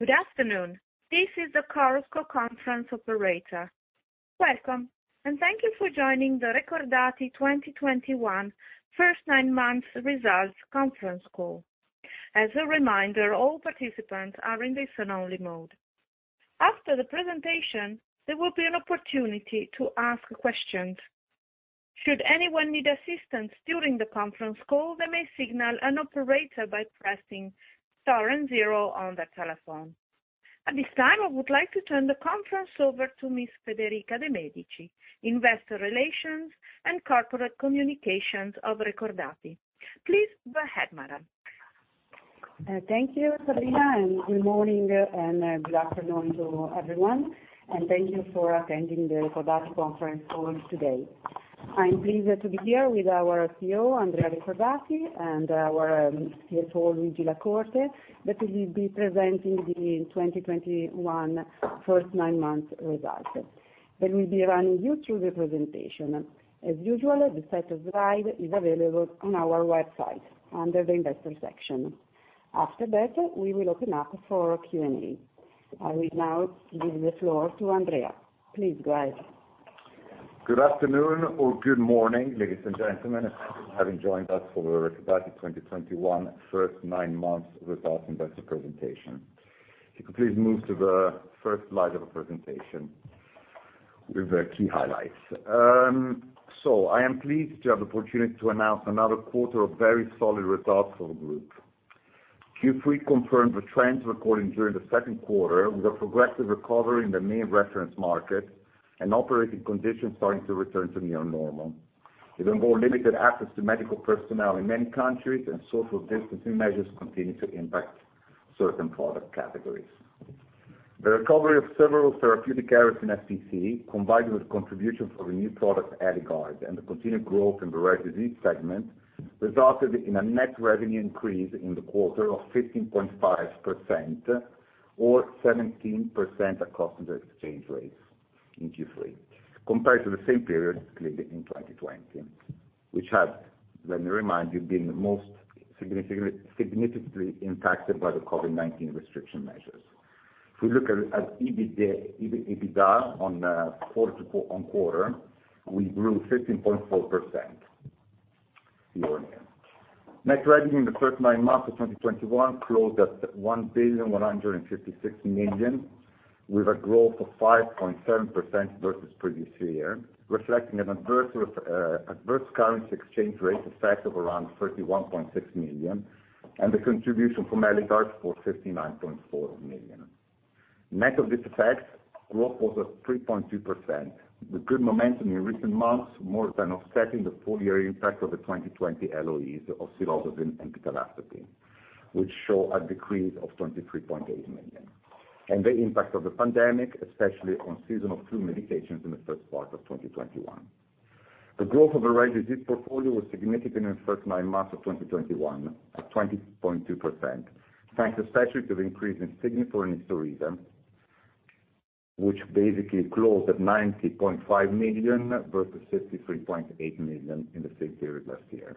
Good afternoon. This is the Chorus Call Conference Operator. Welcome, and thank you for joining the Recordati 2021 first nine months results conference call. As a reminder, all participants are in listen-only mode. After the presentation, there will be an opportunity to ask questions. Should anyone need assistance during the conference call, they may signal an operator by pressing star and zero on their telephone. At this time, I would like to turn the conference over to Miss Federica De Medici, Investor Relations and Corporate Communications of Recordati. Please go ahead, madam. Thank you, Sabrina, and good morning and good afternoon to everyone, and thank you for attending the Recordati conference call today. I am pleased to be here with our CEO, Andrea Recordati, and our CFO, Luigi La Corte, that will be presenting the 2021 first nine months results. They will be running you through the presentation. As usual, the set of slides is available on our website under the investor section. After that, we will open up for Q&A. I will now give the floor to Andrea. Please go ahead. Good afternoon or good morning, ladies and gentlemen, thank you for having joined us for the Recordati 2021 first nine months results investor presentation. If you could please move to the first slide of the presentation with the key highlights. I am pleased to have the opportunity to announce another quarter of very solid results for the group. Q3 confirmed the trends recorded during the second quarter with a progressive recovery in the main reference market and operating conditions starting to return to near normal. Even more limited access to medical personnel in many countries and social distancing measures continue to impact certain product categories. The recovery of several therapeutic areas in SPC, combined with contribution from the new product, Eligard, and the continued growth in the rare disease segment, resulted in a net revenue increase in the quarter of 15.5%, or 17% at constant exchange rates in Q3, compared to the same period clearly in 2020, which had, let me remind you, been most significantly impacted by the COVID-19 restriction measures. If we look at EBITDA on the quarter, we grew 15.4% year-on-year. Net revenue in the first nine months of 2021 closed at 1,156 million, with a growth of 5.7% versus previous year, reflecting an adverse currency exchange rate effect of around 31.6 million, and the contribution from Eligard for 59.4 million. Net of this effect, growth was at 3.2%, with good momentum in recent months, more than offsetting the full-year impact of the 2020 LOEs of silodosin and pitavastatin, which show a decrease of 23.8 million, and the impact of the pandemic, especially on seasonal flu medications in the first part of 2021. The growth of the rare disease portfolio was significant in the first nine months of 2021, at 20.2%, thanks especially to the increase in Signifor and Isturisa, which basically closed at 90.5 million versus 63.8 million in the same period last year,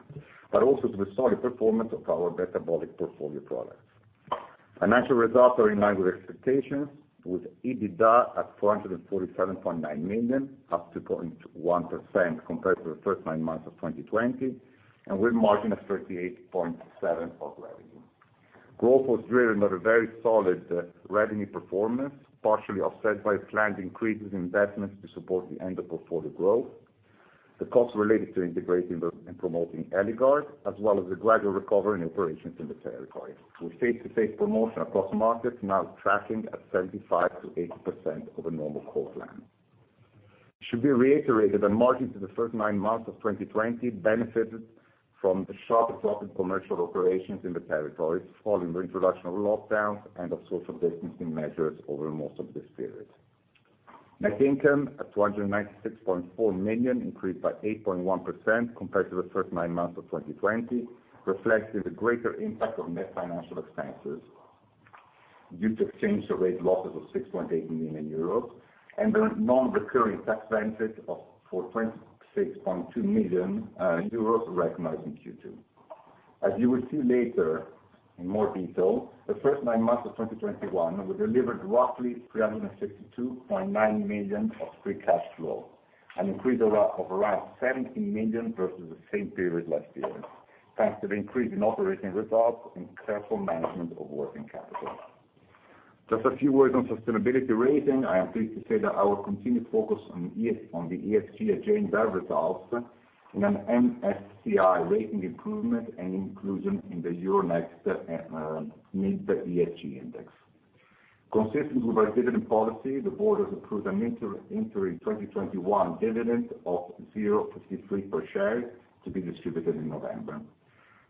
but also to the solid performance of our metabolic portfolio products. Financial results are in line with expectations, with EBITDA at 447.9 million, up 2.1% compared to the first nine months of 2020, and with margin of 38.7% of revenue. Growth was driven by a very solid revenue performance, partially offset by planned increases in investments to support the end of portfolio growth, the costs related to integrating and promoting Eligard, as well as the gradual recovery in operations in the territory, with face-to-face promotion across markets now tracking at 75%-80% of a normal call plan. It should be reiterated that margin for the first nine months of 2020 benefited from the sharp drop in commercial operations in the territories following the introduction of lockdowns and of social distancing measures over most of this period. Net income of 296.4 million increased by 8.1% compared to the first nine months of 2020, reflecting the greater impact of net financial expenses due to exchange rate losses of 6.8 million euros and the non-recurring tax benefit of 26.2 million euros recognized in Q2. As you will see later in more detail, the first nine months of 2021, we delivered roughly 362.9 million of free cash flow, an increase of around 17 million versus the same period last year, thanks to the increase in operating results and careful management of working capital. Just a few words on sustainability rating. I am pleased to say that our continued focus on the ESG agenda bears results in an MSCI rating improvement and inclusion in the Euronext MIB ESG index. Consistent with our dividend policy, the board has approved an interim 2021 dividend of 0.53 per share to be distributed in November.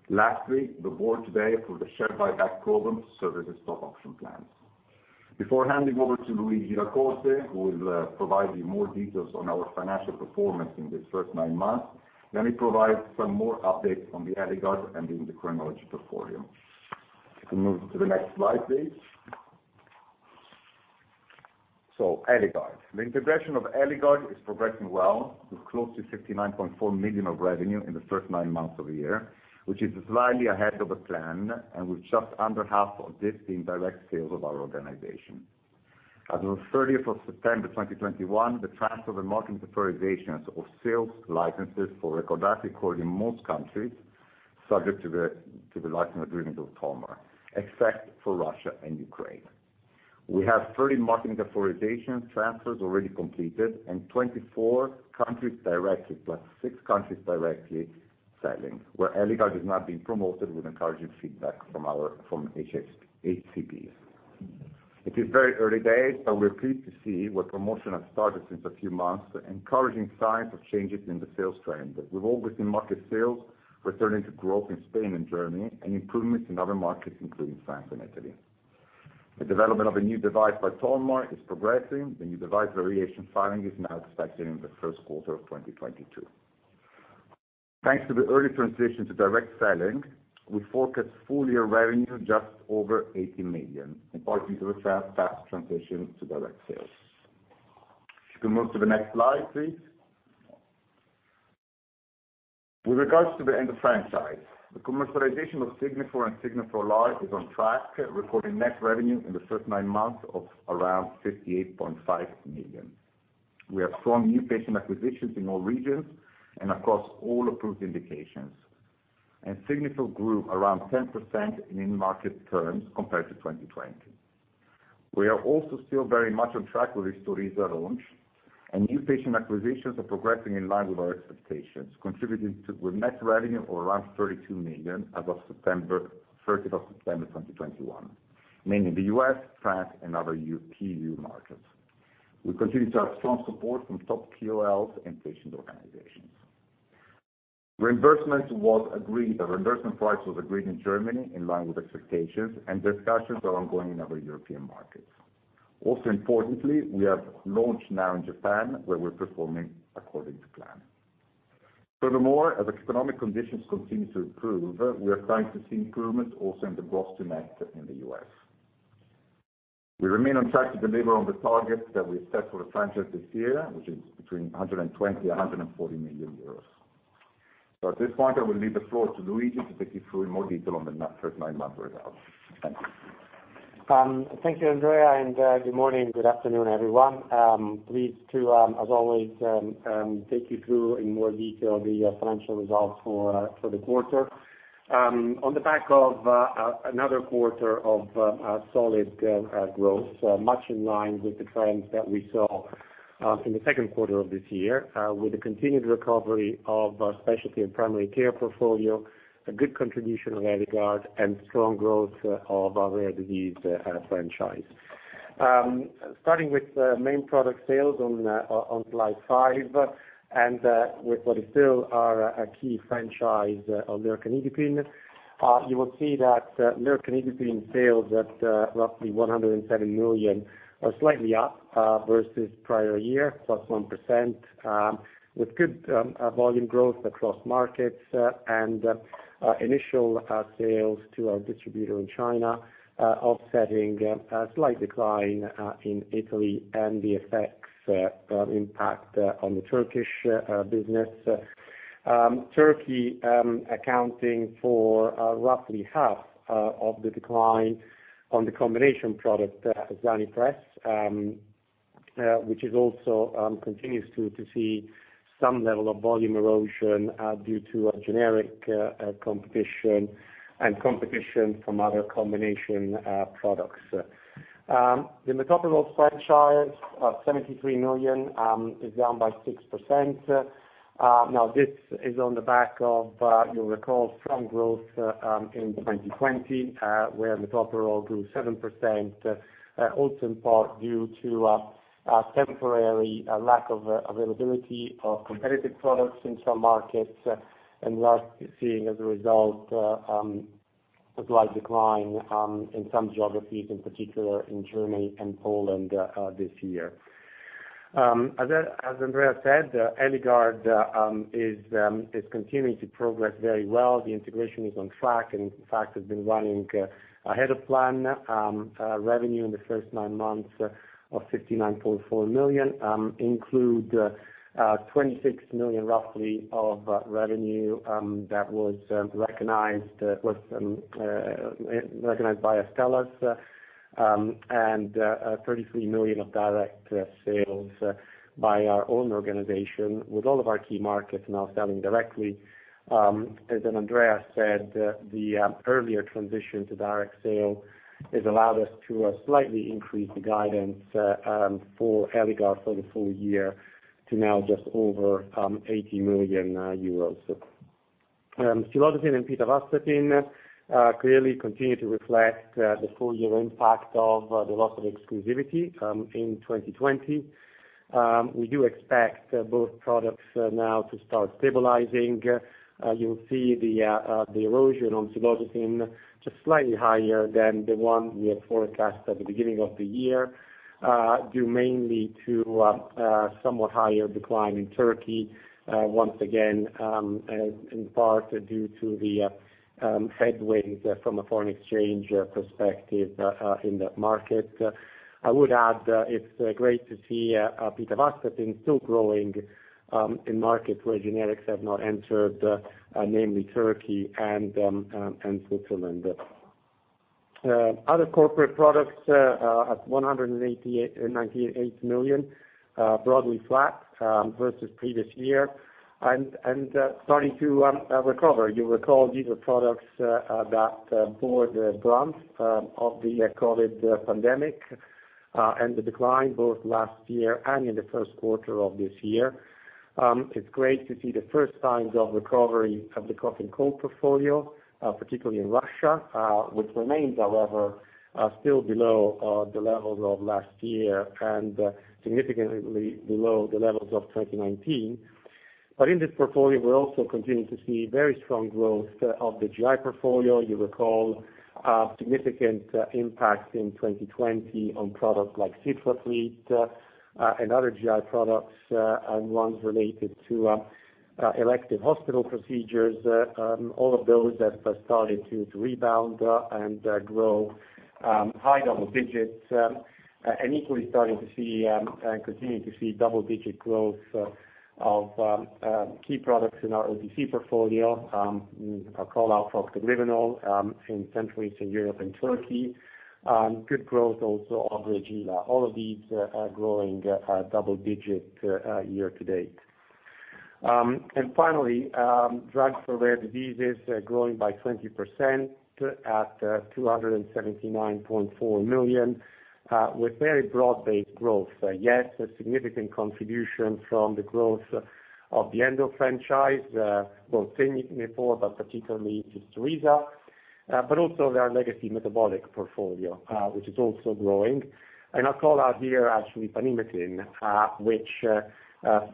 Lastly, the board today approved a share buyback program to serve as a stock option plan. Before handing over to Luigi La Corte, who will provide you more details on our financial performance in this first nine months, let me provide some more updates on the Eligard and the endocrinology portfolio. If we move to the next slide, please. Eligard. The integration of Eligard is progressing well with close to 59.4 million of revenue in the first nine months of the year, which is slightly ahead of the plan and with just under half of this being direct sales of our organization. As of September 30th, 2021, the transfer of marketing authorizations of sales licenses for Eligard recorded in most countries subject to the licensing agreement with Tolmar, except for Russia and Ukraine. We have 30 marketing authorization transfers already completed and 24 countries directly plus six countries directly selling, where Eligard is now being promoted with encouraging feedback from our HCPs. It is very early days, but we are pleased to see where promotion has started since a few months, encouraging signs of changes in the sales trend with all within market sales returning to growth in Spain and Germany and improvements in other markets, including France and Italy. The development of a new device by Tolmar is progressing. The new device variation filing is now expected in the first quarter of 2022. Thanks to the early transition to direct selling, we forecast full year revenue just over 80 million, in part due to the fast transition to direct sales. If you could move to the next slide, please. With regards to the Endo franchise, the commercialization of Signifor and Signifor LAR is on track, recording net revenue in the first nine months of around 58.5 million. We have strong new patient acquisitions in all regions and across all approved indications. Signifor grew around 10% in market terms compared to 2020. We are also still very much on track with Isturisa's launch, and new patient acquisitions are progressing in line with our expectations, contributing to net revenue of around 32 million as of September 30, 2021, mainly in the U.S., France, and other EU countries. We continue to have strong support from top KOLs and patient organizations. Reimbursement price was agreed in Germany in line with expectations, and discussions are ongoing in other European markets. Also importantly, we have launched now in Japan, where we're performing according to plan. Furthermore, as economic conditions continue to improve, we are starting to see improvement also in the gross to net in the U.S. We remain on track to deliver on the targets that we set for the franchise this year, which is between 120 million and 140 million euros. At this point, I will leave the floor to Luigi to take you through in more detail on the first nine-month results. Thank you. Thank you, Andrea, and good morning, good afternoon, everyone. I'm pleased to, as always, take you through in more detail the financial results for the quarter. On the back of another quarter of solid growth, much in line with the trends that we saw in the second quarter of this year, with the continued recovery of our specialty and primary care portfolio, a good contribution of Eligard and strong growth of our rare disease franchise. Starting with main product sales on slide five and with what is still our key franchise of lercanidipine, you will see that lercanidipine sales at roughly 107 million are slightly up versus prior year, +1%, with good volume growth across markets and initial sales to our distributor in China offsetting a slight decline in Italy and the FX impact on the Turkish business. Turkey accounting for roughly half of the decline on the combination product Zanipress, which also continues to see some level of volume erosion due to generic competition and competition from other combination products. The metoprolol franchise of 73 million is down by 6%. Now this is on the back of, you'll recall strong growth in 2020, where metoprolol grew 7%, also in part due to a temporary lack of availability of competitive products in some markets, and we are seeing as a result a slight decline in some geographies, in particular in Germany and Poland, this year. As Andrea said, Eligard is continuing to progress very well. The integration is on track, and in fact has been running ahead of plan. Revenue in the first nine months of 59.4 million includes roughly 26 million of revenue that was recognized by Astellas and 33 million of direct sales by our own organization with all of our key markets now selling directly. As Andrea said, the earlier transition to direct sale has allowed us to slightly increase the guidance for Eligard for the full year to now just over 80 million euros. Silodosin and pitavastatin clearly continue to reflect the full year impact of the loss of exclusivity in 2020. We do expect both products now to start stabilizing. You'll see the erosion on silodosin just slightly higher than the one we had forecast at the beginning of the year, due mainly to somewhat higher decline in Turkey, once again, in part due to the headwinds from a foreign exchange perspective, in that market. I would add, it's great to see pitavastatin still growing in markets where generics have not entered, namely Turkey and Switzerland. Other corporate products are at 198 million, broadly flat versus previous year, starting to recover. You recall these are products that bore the brunt of the COVID pandemic and the decline both last year and in the first quarter of this year. It's great to see the first signs of recovery of the cough and cold portfolio, particularly in Russia, which remains, however, still below the levels of last year and significantly below the levels of 2019. In this portfolio, we're also continuing to see very strong growth of the GI portfolio. You recall significant impact in 2020 on products like CitraFleet and other GI products and ones related to elective hospital procedures. All of those have started to rebound and grow high double digits. Equally, starting to see and continuing to see double digit growth of key products in our OTC portfolio, a call out of Procto-Glyvenol in Central Eastern Europe and Turkey, good growth also of Reagila. All of these are growing double-digit year to date. Finally, drugs for rare diseases growing by 20% at 279.4 million with very broad-based growth. Yes, a significant contribution from the growth of the Endo franchise, both Signifor before, but particularly Isturisa, but also our legacy metabolic portfolio, which is also growing. I'll call out here actually Panhematin, which,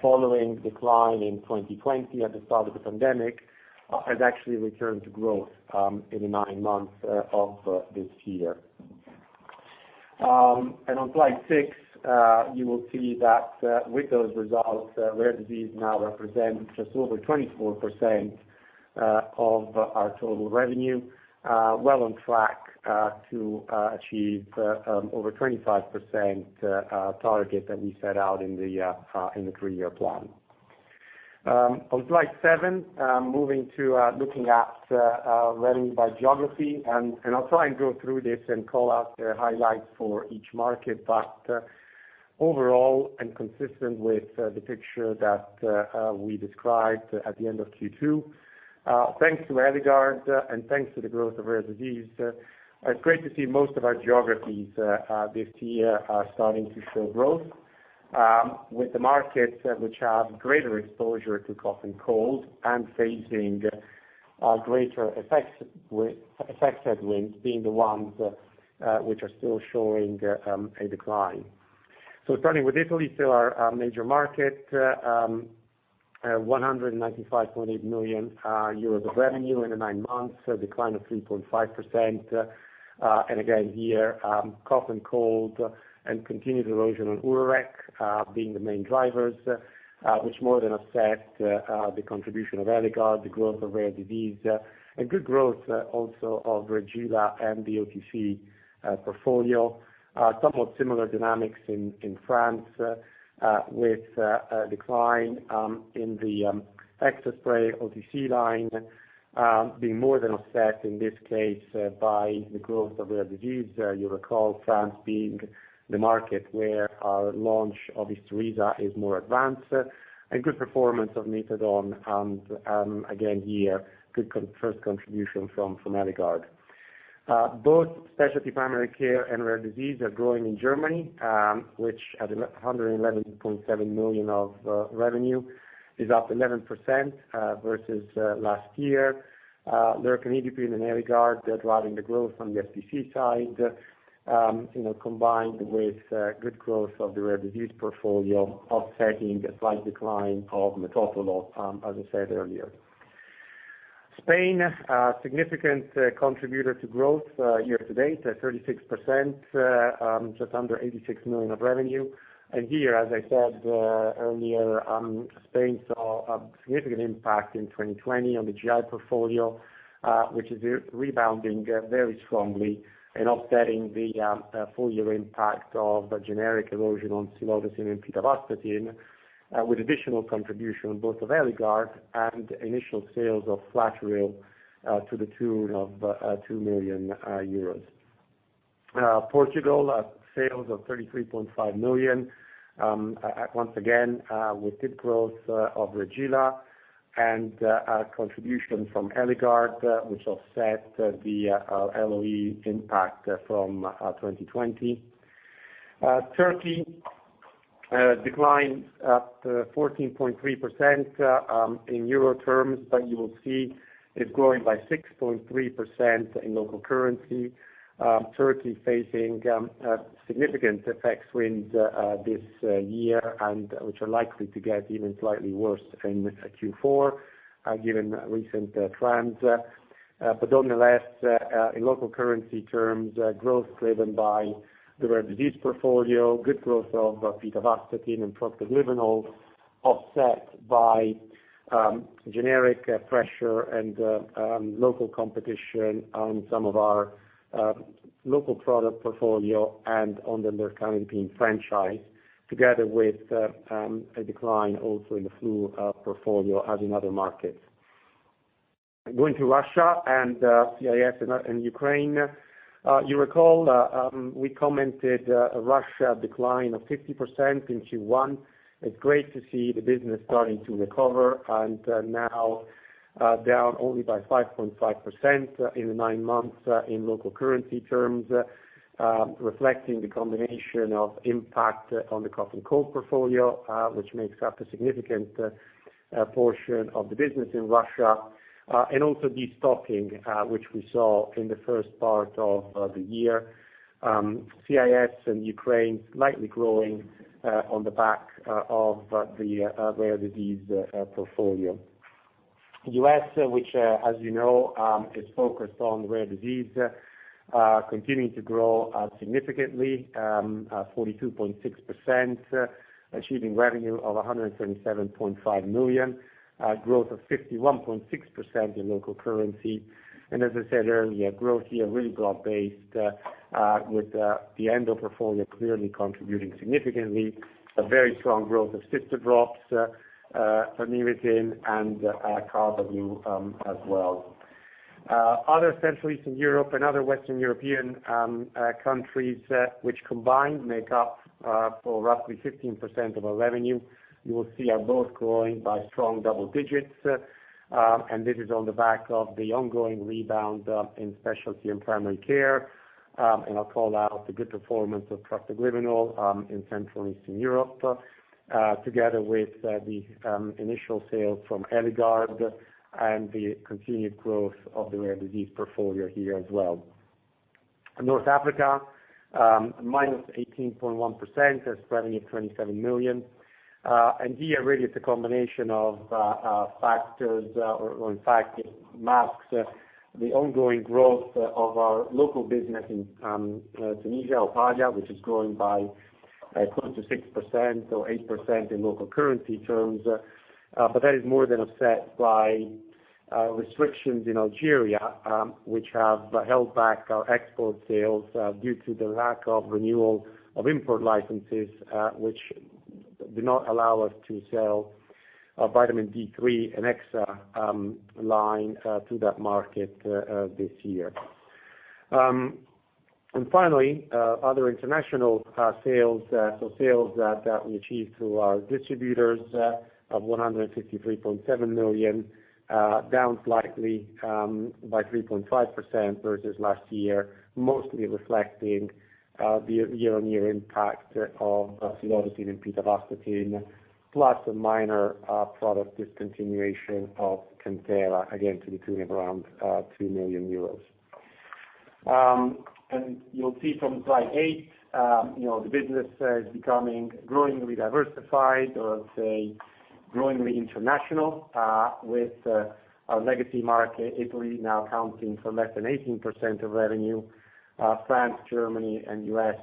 following decline in 2020 at the start of the pandemic, has actually returned to growth in the nine months of this year. On slide six, you will see that with those results, Rare Diseases now represents just over 24% of our total revenue, well on track to achieve over 25% target that we set out in the three-year plan. On slide seven, moving to looking at revenue by geography, I'll try and go through this and call out the highlights for each market, but overall and consistent with the picture that we described at the end of Q2, thanks to Eligard and thanks to the growth of Rare Diseases, it's great to see most of our geographies this year are starting to show growth, with the markets which have greater exposure to cough and cold and facing greater FX headwinds being the ones which are still showing a decline. Starting with Italy, still our major market, 195.8 million euros of revenue in the nine months, a decline of 3.5%. Again, here cough and cold and continued erosion on Urorec being the main drivers which more than offset the contribution of Eligard, the growth of rare disease, and good growth also of Reagila and the OTC portfolio. Somewhat similar dynamics in France with a decline in the Hexaspray OTC line being more than offset in this case by the growth of rare disease. You recall France being the market where our launch of Isturisa is more advanced, and good performance of Methadone and again here good first contribution from Eligard. Both specialty primary care and rare disease are growing in Germany, which at 111.7 million of revenue is up 11% versus last year. Lercanidipine and Eligard are driving the growth on the SPC side, you know, combined with good growth of the rare disease portfolio, offsetting a slight decline of metoprolol, as I said earlier. Spain, a significant contributor to growth, year to date at 36%, just under 86 million of revenue. Here, as I said earlier, Spain saw a significant impact in 2020 on the GI portfolio, which is rebounding very strongly and offsetting the full year impact of generic erosion on silodosin and pitavastatin, with additional contribution on both of Eligard and initial sales of Flaturil, to the tune of 2 million euros. Portugal sales of 33.5 million, at once again with good growth of Reagila and a contribution from Eligard, which offset the LOE impact from 2020. Turkey declined up to 14.3% in euro terms, but you will see it growing by 6.3% in local currency. Turkey facing significant FX headwinds this year and which are likely to get even slightly worse in Q4, given recent trends. Nonetheless, in local currency terms, growth driven by the rare disease portfolio, good growth of pitavastatin and Procto-Glyvenol, offset by generic pressure and local competition on some of our local product portfolio and on the lercanidipine franchise, together with a decline also in the flu portfolio as in other markets. Going to Russia and CIS and Ukraine. You recall we commented Russia decline of 50% in Q1. It's great to see the business starting to recover and now down only by 5.5% in the nine months in local currency terms. Reflecting the combination of impact on the cough and cold portfolio, which makes up a significant portion of the business in Russia, and also destocking, which we saw in the first part of the year. CIS and Ukraine slightly growing, on the back of the rare disease portfolio. U.S., which, as you know, is focused on rare disease, continuing to grow significantly, 42.6%, achieving revenue of $177.5 million, growth of 51.6% in local currency. As I said earlier, growth here really broad-based, with the Endo portfolio clearly contributing significantly. A very strong growth of Cystadrops, Panhematin and Carbaglu, as well. Other Central and Eastern Europe and other Western European countries, which combined make up for roughly 15% of our revenue, you will see are both growing by strong double digits. This is on the back of the ongoing rebound in Specialty and Primary Care. I'll call out the good performance of Procto-Glyvenol in Central and Eastern Europe, together with the initial sales from Eligard and the continued growth of the rare disease portfolio here as well. North Africa, minus 18.1%, a revenue of 27 million. Here really it's a combination of factors, or in fact, it masks the ongoing growth of our local business in Tunisia, Opalia, which is growing by 26% or 8% in local currency terms. That is more than offset by restrictions in Algeria, which have held back our export sales due to the lack of renewal of import licenses, which do not allow us to sell vitamin D3 and Hexa line to that market this year. Finally, other international sales, so sales that we achieved through our distributors of 153.7 million, down slightly by 3.5% versus last year, mostly reflecting the year-over-year impact of cilostazol and pitavastatin, plus a minor product discontinuation of Cardicor, again to the tune of around 2 million euros. You'll see from slide eight, you know, the business is becoming growingly diversified, or let's say growingly international, with our legacy market, Italy now accounting for less than 18% of revenue, France, Germany and U.S.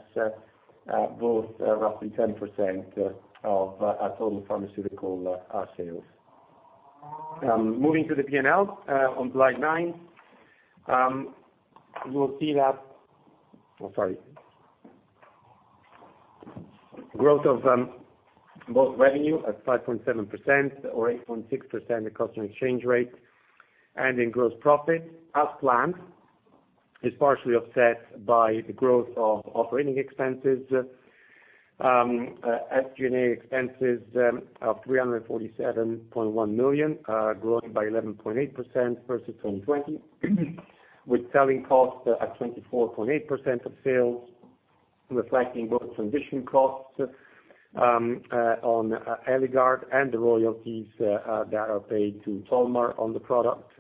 both roughly 10% of our total pharmaceutical sales. Moving to the P&L on slide nine. You will see that growth of both revenue at 5.7% or 8.6% at constant exchange rate, and in gross profit as planned, is partially offset by the growth of operating expenses, SG&A expenses of 347.1 million, growing by 11.8% versus 2020. With selling costs at 24.8% of sales, reflecting both transition costs on Eligard and the royalties that are paid to Tolmar on the product,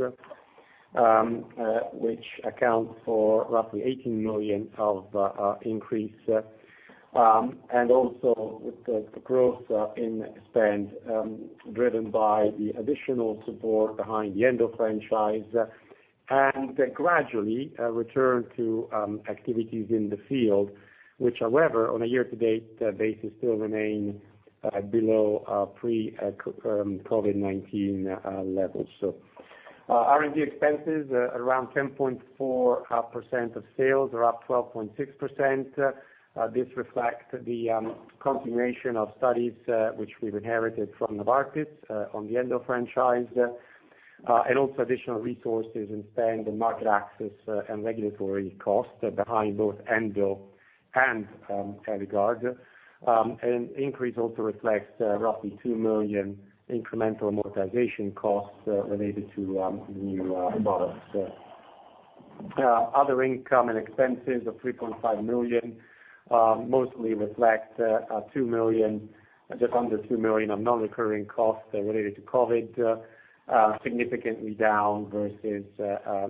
which accounts for roughly 18 million of the increase. And also with the growth in spend driven by the additional support behind the Endo franchise, and gradually a return to activities in the field, which however, on a year-to-date basis, still remain below pre-COVID-19 levels. R&D expenses around 10.4% of sales are up 12.6%. This reflects the continuation of studies which we've inherited from Novartis on the Endo franchise. And also additional resources and spend and market access and regulatory costs behind both Endo and Eligard. Increase also reflects roughly 2 million incremental amortization costs related to new products. Other income and expenses of 3.5 million mostly reflect just under 2 million of non-recurring costs related to COVID, significantly down versus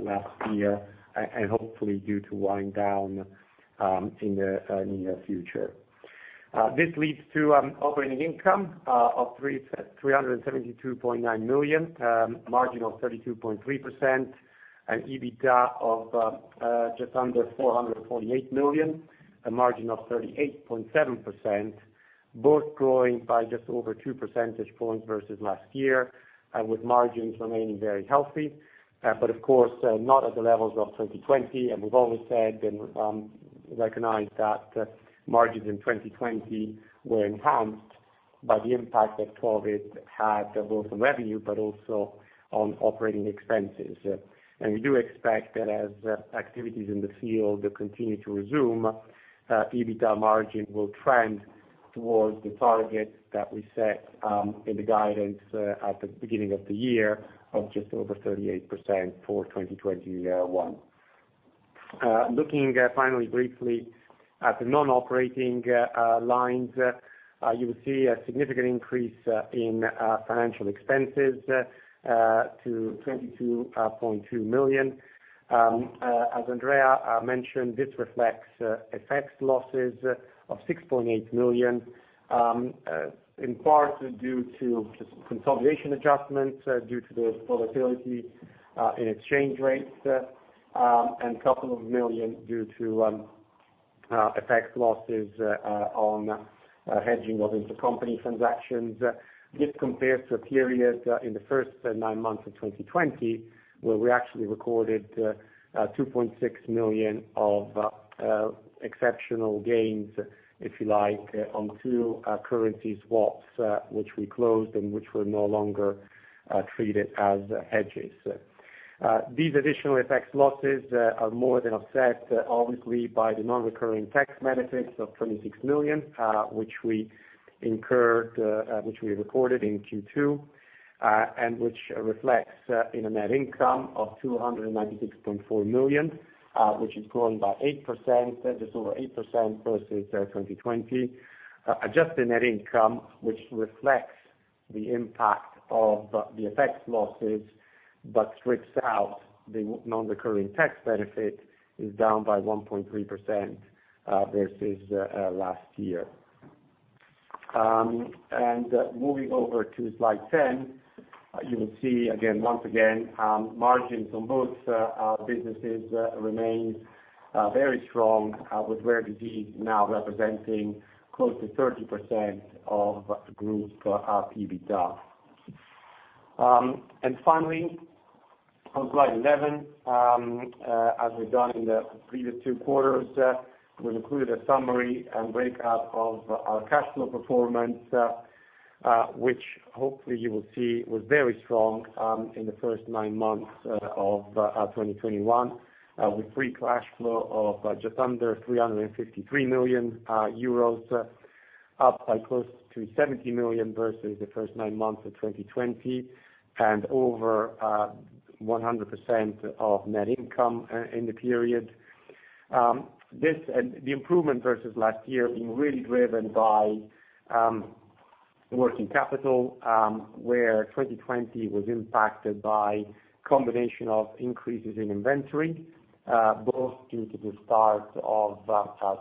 last year and hopefully due to wind down in the near future. This leads to operating income of 372.9 million, margin of 32.3%, and EBITDA of just under 448 million, a margin of 38.7%, both growing by just over 2 percentage points versus last year, with margins remaining very healthy. Of course, not at the levels of 2020, and we've always said and recognized that margins in 2020 were enhanced by the impact that COVID had both on revenue, but also on operating expenses. We do expect that as activities in the field continue to resume, EBITDA margin will trend towards the target that we set in the guidance at the beginning of the year of just over 38% for 2021. Looking finally briefly at the non-operating lines, you will see a significant increase in financial expenses to 22.2 million. As Andrea mentioned, this reflects FX losses of 6.8 million in part due to just consolidation adjustments due to the volatility in exchange rates, and a couple of million due to FX losses on hedging of intercompany transactions. This compares to a period in the first nine months of 2020, where we actually recorded 2.6 million of exceptional gains, if you like, on two currency swaps which we closed and which were no longer treated as hedges. These additional FX losses are more than offset, obviously, by the non-recurring tax benefits of 26 million, which we incurred, which we reported in Q2, and which reflects in a net income of 296.4 million, which has grown by 8%, just over 8% versus 2020. Adjusted net income, which reflects the impact of the FX losses, but strips out the non-recurring tax benefit, is down by 1.3% versus last year. Moving over to slide 10, you will see again, once again, margins on both our businesses remain very strong, with Rare Disease now representing close to 30% of the group's EBITDA. Finally, on slide 11, as we've done in the previous two quarters, we've included a summary and breakout of our cash flow performance, which hopefully you will see was very strong in the first nine months of 2021. With free cash flow of just under 353 million euros, up by close to 70 million versus the first nine months of 2020 and over 100% of net income in the period. This and the improvement versus last year being really driven by working capital, where 2020 was impacted by combination of increases in inventory, both due to the start of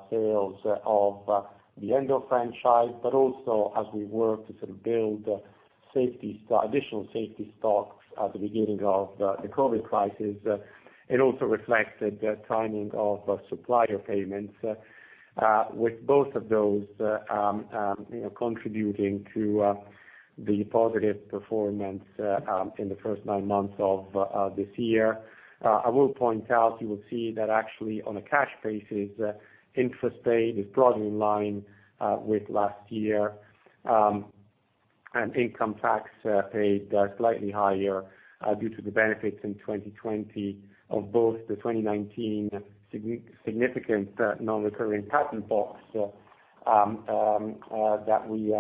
sales of the Endo franchise, but also as we work to sort of build additional safety stocks at the beginning of the COVID crisis. It also reflected the timing of supplier payments, with both of those, you know, contributing to the positive performance in the first nine months of this year. I will point out, you will see that actually on a cash basis, interest paid is broadly in line with last year, and income tax paid slightly higher due to the benefits in 2020 of both the 2019 significant non-recurring patent box that we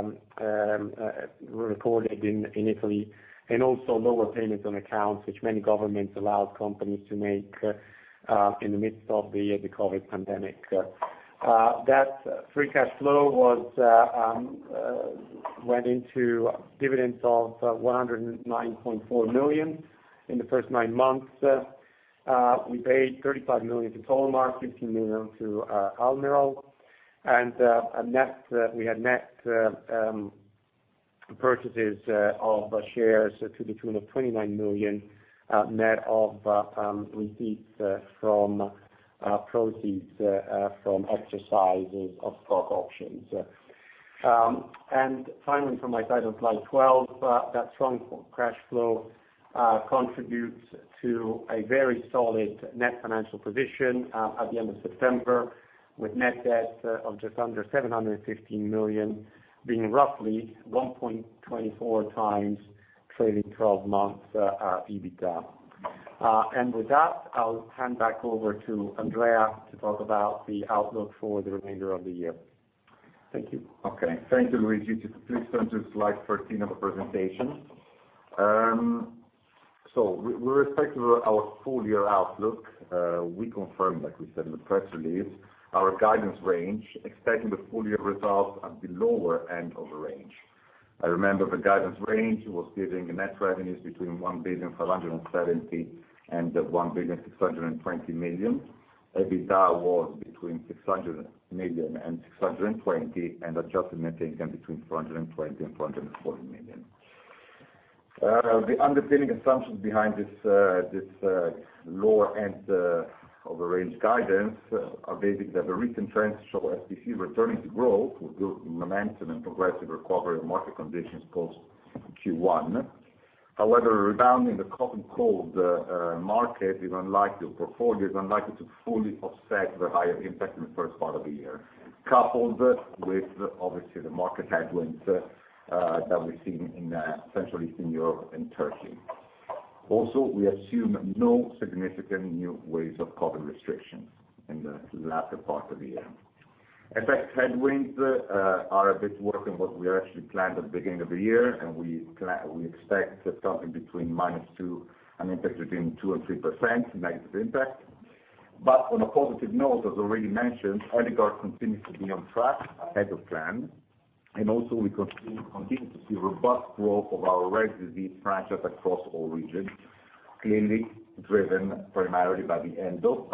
reported in Italy, and also lower payments on accounts which many governments allowed companies to make in the midst of the COVID-19 pandemic. That free cash flow went into dividends of 109.4 million in the first nine months. We paid 35 million to Tolmar, 15 million to Almirall, and we had net purchases of shares to the tune of 29 million, net of receipts from proceeds from exercises of stock options. Finally from my side on slide 12, that strong cash flow contributes to a very solid net financial position at the end of September, with net debt of just under 715 million being roughly 1.24x trailing 12 months EBITDA. With that, I'll hand back over to Andrea to talk about the outlook for the remainder of the year. Thank you. Okay. Thank you, Luigi. Just please turn to slide 13 of the presentation. With respect to our full year outlook, we confirm, like we said in the press release, our guidance range, expecting the full year results at the lower end of the range. I remember the guidance range was giving net revenues between 1,570 million and 1,620 million. EBITDA was between 600 million and 620 million, and adjusted net income between 420 million and 440 million. The underpinning assumptions behind this lower end of the range guidance are based that the recent trends show SPC returning to growth with good momentum and progressive recovery of market conditions post Q1. However, rebounding the COVID and cold portfolio is unlikely to fully offset the higher impact in the first part of the year, coupled with obviously the market headwinds that we're seeing in Central and Eastern Europe and Turkey. Also, we assume no significant new waves of COVID restrictions in the latter part of the year. In fact, headwinds are a bit worse than what we actually planned at the beginning of the year, and we expect something between -2% and -3% negative impact. On a positive note, as already mentioned, Eligard continues to be on track ahead of plan. We continue to see robust growth of our rare disease franchise across all regions, clearly driven primarily by the Endo,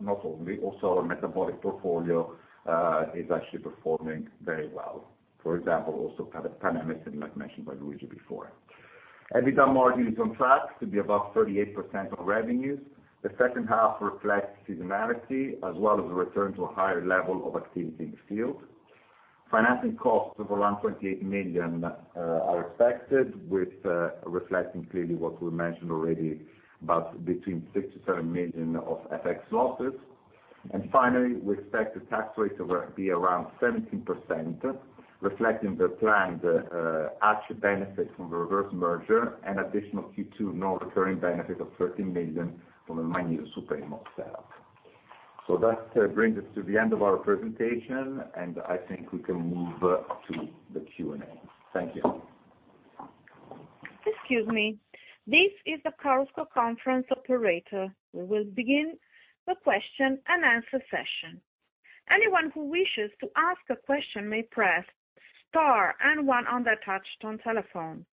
not only, also our metabolic portfolio is actually performing very well. For example, also Panhematin, like mentioned by Luigi before. EBITDA margin is on track to be above 38% of revenues. The second half reflects seasonality as well as a return to a higher level of activity in the field. Financing costs of around 28 million are expected, with reflecting clearly what we mentioned already, about between 6 million-7 million of FX losses. We expect the tax rate to be around 17%, reflecting the planned actual benefit from the reverse merger, and additional Q2 non-recurring benefit of 13 million from the (Mogliano Patent Box) setup. That brings us to the end of our presentation, and I think we can move to the Q&A. Thank you. Excuse me. This is the Chorus Call conference operator. We will begin the question-and-answer session. Anyone who wishes to ask a question may press star and one on their touch-tone telephone.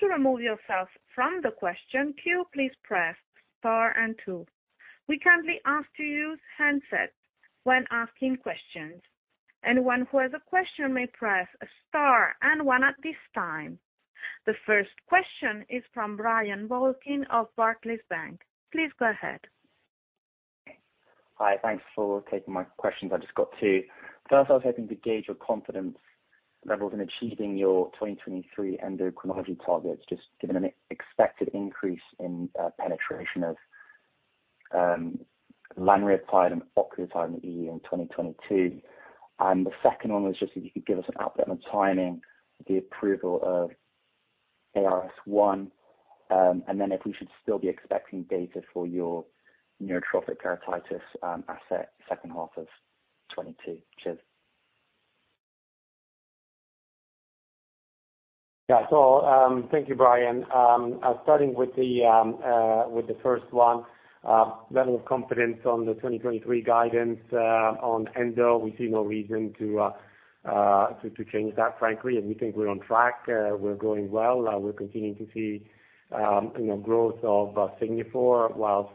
To remove yourself from the question queue, please press star and two. We kindly ask to use handsets when asking questions. Anyone who has a question may press star and one at this time. The first question is from Brian Balchin of Barclays. Please go ahead. Hi. Thanks for taking my questions, I just got two. First, I was hoping to gauge your confidence levels in achieving your 2023 endocrinology targets, just given an expected increase in penetration of lanreotide and octreotide in the EU in 2022. The second one was just if you could give us an update on the timing for the approval of ARS-1, and then if we should still be expecting data for your neurotrophic keratitis asset second half of 2022. Cheers. Thank you, Brian. Starting with the first one, level of confidence on the 2023 guidance, on Endo, we see no reason to change that, frankly, and we think we're on track. We're going well. We're continuing to see, you know, growth of Signifor whilst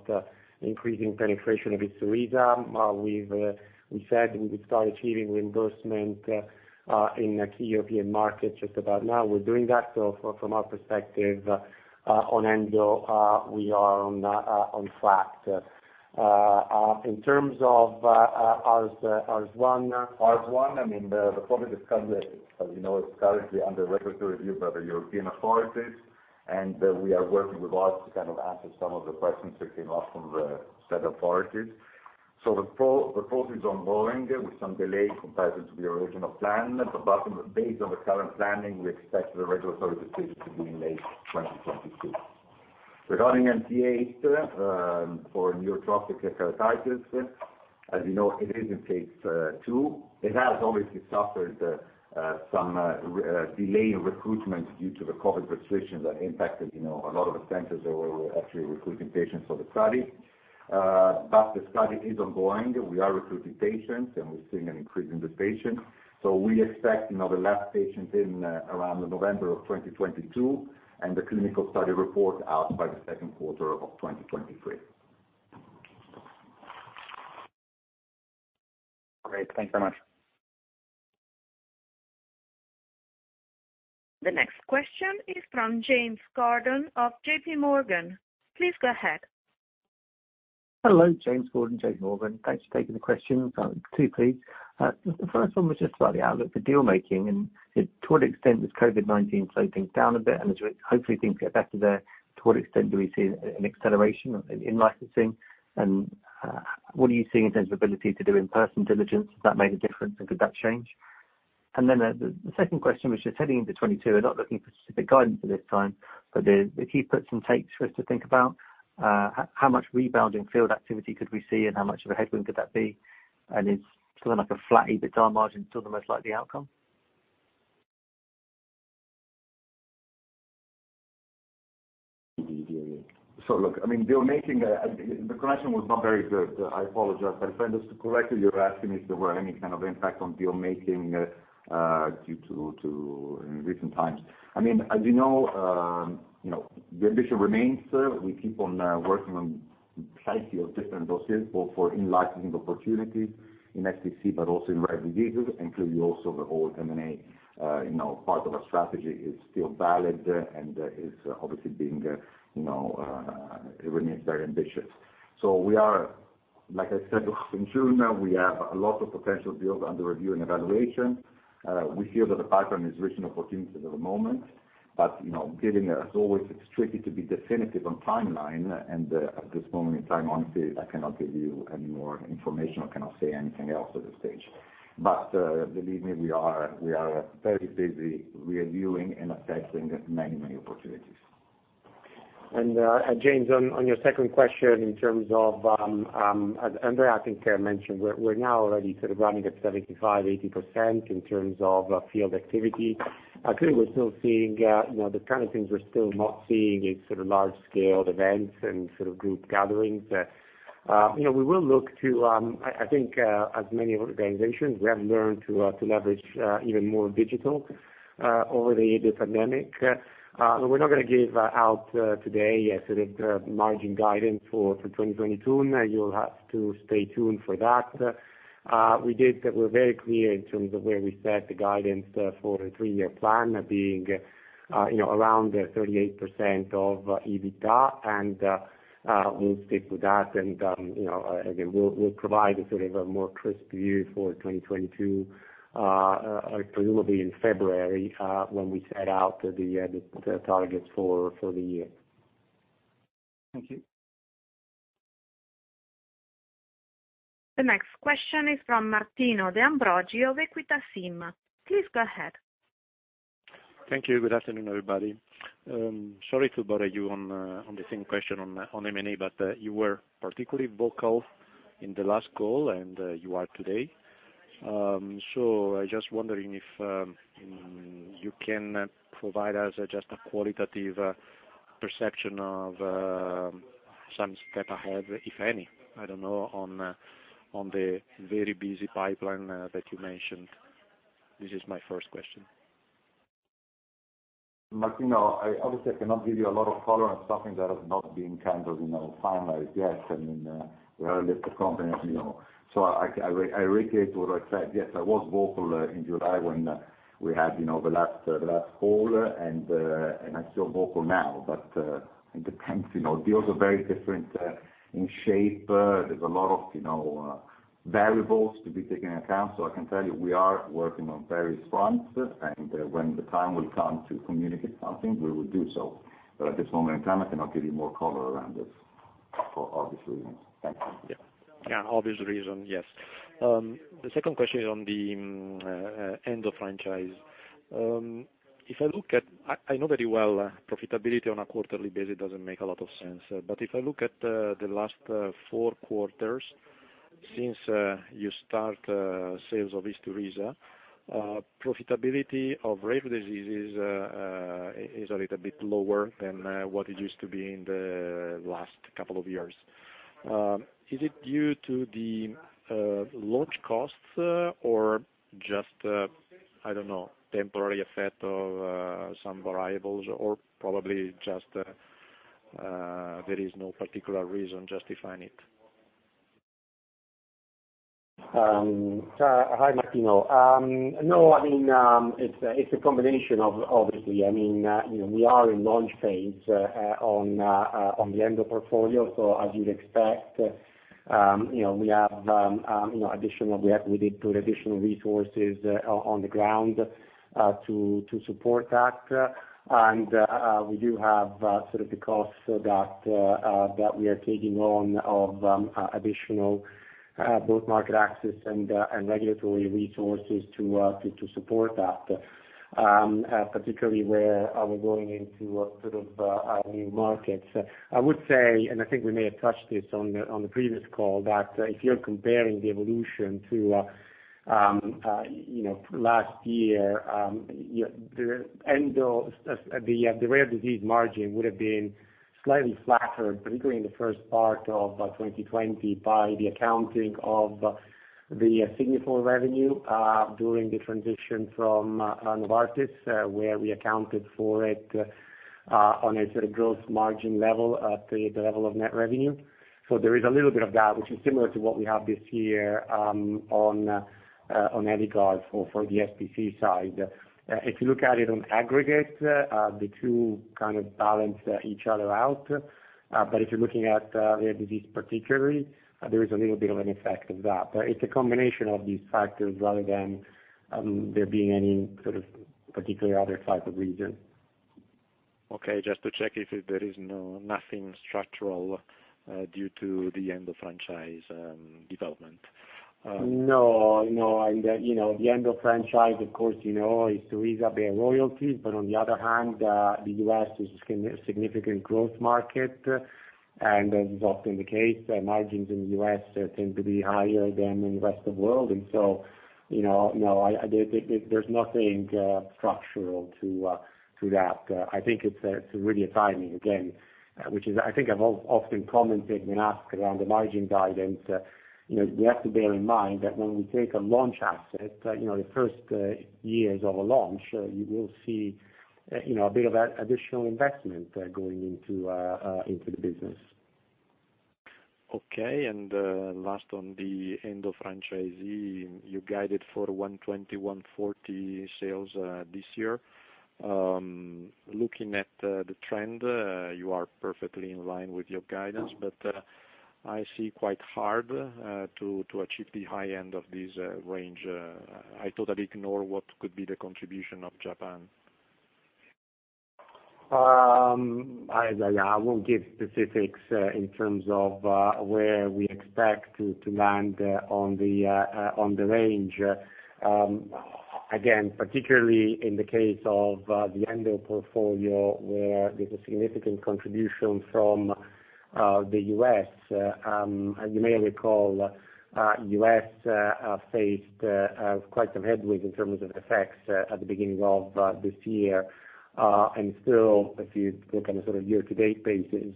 increasing penetration of Isturisa. We said we would start achieving reimbursement in key European markets just about now. We're doing that. From our perspective, on Endo, we are on track. In terms of ARS-1, I mean, the product is currently, as you know, under regulatory review by the European authorities, and we are working with them to answer some of the questions that came up from the said authorities. The process is ongoing, with some delay compared to the original plan. Based on the current planning, we expect the regulatory decision to be in late 2022. Regarding MTA for neurotrophic keratitis, as you know, it is in phase II. It has obviously suffered some delay in recruitment due to the COVID restrictions that impacted, you know, a lot of the centers that were actually recruiting patients for the study. The study is ongoing. We are recruiting patients, and we're seeing an increase in the patients. We expect, you know, the last patient in around November 2022 and the clinical study report out by the second quarter of 2023. Great. Thank you very much. The next question is from James Gordon of JPMorgan. Please go ahead. Hello. James Gordon, JPMorgan. Thanks for taking the question. Two, please. The first one was just about the outlook for deal making and to what extent does COVID-19 slow things down a bit? Hopefully things get better there, to what extent do we see an acceleration in licensing? What are you seeing in terms of ability to do in-person diligence? Has that made a difference, and could that change? The second question was just heading into 2022. We're not looking for specific guidance at this time, but the key puts and takes for us to think about, how much rebound in field activity could we see and how much of a headwind could that be? Is something like a flat EBITDA margin still the most likely outcome? Look, I mean, deal making, the connection was not very good. I apologize. If I understood correctly, you're asking if there were any kind of impact on deal making due to recent times. I mean, as you know, the ambition remains. We keep on working on plenty of different dossiers, both for in-licensing opportunities in SPC, but also in rare diseases, including also the whole M&A. You know, part of our strategy is still valid and is obviously being, you know, it remains very ambitious. We are, like I said in June, we have a lot of potential deals under review and evaluation. We feel that the pipeline is rich in opportunities at the moment, but you know, given as always, it's tricky to be definitive on timeline, and at this moment in time, honestly, I cannot give you any more information or cannot say anything else at this stage. Believe me, we are very busy reviewing and assessing many, many opportunities. James, on your second question in terms of Andrea, I think mentioned, we're now already sort of running at 75%-80% in terms of field activity. Clearly we're still seeing, you know, the kind of things we're still not seeing is sort of large scale events and sort of group gatherings that, you know, we will look to. I think, as many organizations, we have learned to leverage even more digital over the pandemic. But we're not gonna give out today a sort of margin guidance for 2022. You'll have to stay tuned for that. We're very clear in terms of where we set the guidance for a three-year plan being, you know, around 38% of EBITDA, and we'll stick with that. You know, again, we'll provide a sort of a more crisp view for 2022. It will be in February when we set out the targets for the year. Thank you. The next question is from Martino De Ambroggi of Equita SIM. Please go ahead. Thank you. Good afternoon, everybody. Sorry to bother you on the same question on M&A, but you were particularly vocal in the last call, and you are today. So I just wondering if you can provide us just a qualitative perception of some step ahead, if any, I don't know, on the very busy pipeline that you mentioned. This is my first question. Martino, I obviously cannot give you a lot of color on something that has not been kind of, you know, finalized yet. I mean, we are a listed company, as you know. I reiterate what I said. Yes, I was vocal in July when we had, you know, the last call and I'm still vocal now. It depends, you know. Deals are very different in shape. There's a lot of, you know, variables to be taken into account. I can tell you we are working on various fronts, and when the time will come to communicate something, we will do so. At this moment in time, I cannot give you more color around this for obvious reasons. Thank you. Yeah. Yeah, obvious reason, yes. The second question on the Endo franchise. If I look at, I know very well profitability on a quarterly basis doesn't make a lot of sense. If I look at the last four quarters since you start sales of Isturisa, profitability of Rare Diseases is a little bit lower than what it used to be in the last couple of years. Is it due to the launch costs or just I don't know, temporary effect of some variables or probably just there is no particular reason justifying it? Hi, Martino. No, I mean, it's a combination of obviously, I mean, you know, we are in launch phase on the Endo portfolio. As you'd expect, you know, we did put additional resources on the ground to support that. We do have sort of the costs that we are taking on of additional both market access and regulatory resources to support that. Particularly where we're going into a sort of new markets. I would say, and I think we may have touched this on the previous call, that if you're comparing the evolution to, you know, last year, the end of the rare disease margin would have been slightly flattered, particularly in the first part of 2020 by the accounting of the Signifor revenue during the transition from Novartis, where we accounted for it on a sort of gross margin level at the level of net revenue. There is a little bit of that, which is similar to what we have this year on Eligard for the SPC side. If you look at it on aggregate, the two kind of balance each other out. If you're looking at rare disease particularly, there is a little bit of an effect of that. It's a combination of these factors rather than there being any sort of particular other type of reason. Okay. Just to check if there is nothing structural due to the end of franchise development. No, no. You know, the Endo franchise, of course, you know, Isturisa pays royalties, but on the other hand, the U.S. is a significant growth market. As is often the case, margins in the U.S. tend to be higher than in the rest of the world. You know, no, there's nothing structural to that. I think it's really a timing again, which is I think I've often commented when asked around the margin guidance. You know, you have to bear in mind that when we take a launch asset, you know, the first years of a launch, you will see, you know, a bit of additional investment going into the business. Okay. Last on the Endo franchise, you guided for 120-140 sales this year. Looking at the trend, you are perfectly in line with your guidance, but I see it quite hard to achieve the high end of this range. I totally ignore what could be the contribution of Japan. I won't give specifics in terms of where we expect to land on the range. Again, particularly in the case of the Endo portfolio, where there's a significant contribution from the U.S., as you may recall, the U.S. have faced quite some headwinds in terms of FX effects at the beginning of this year. Still, if you look on a sort of year-to-date basis,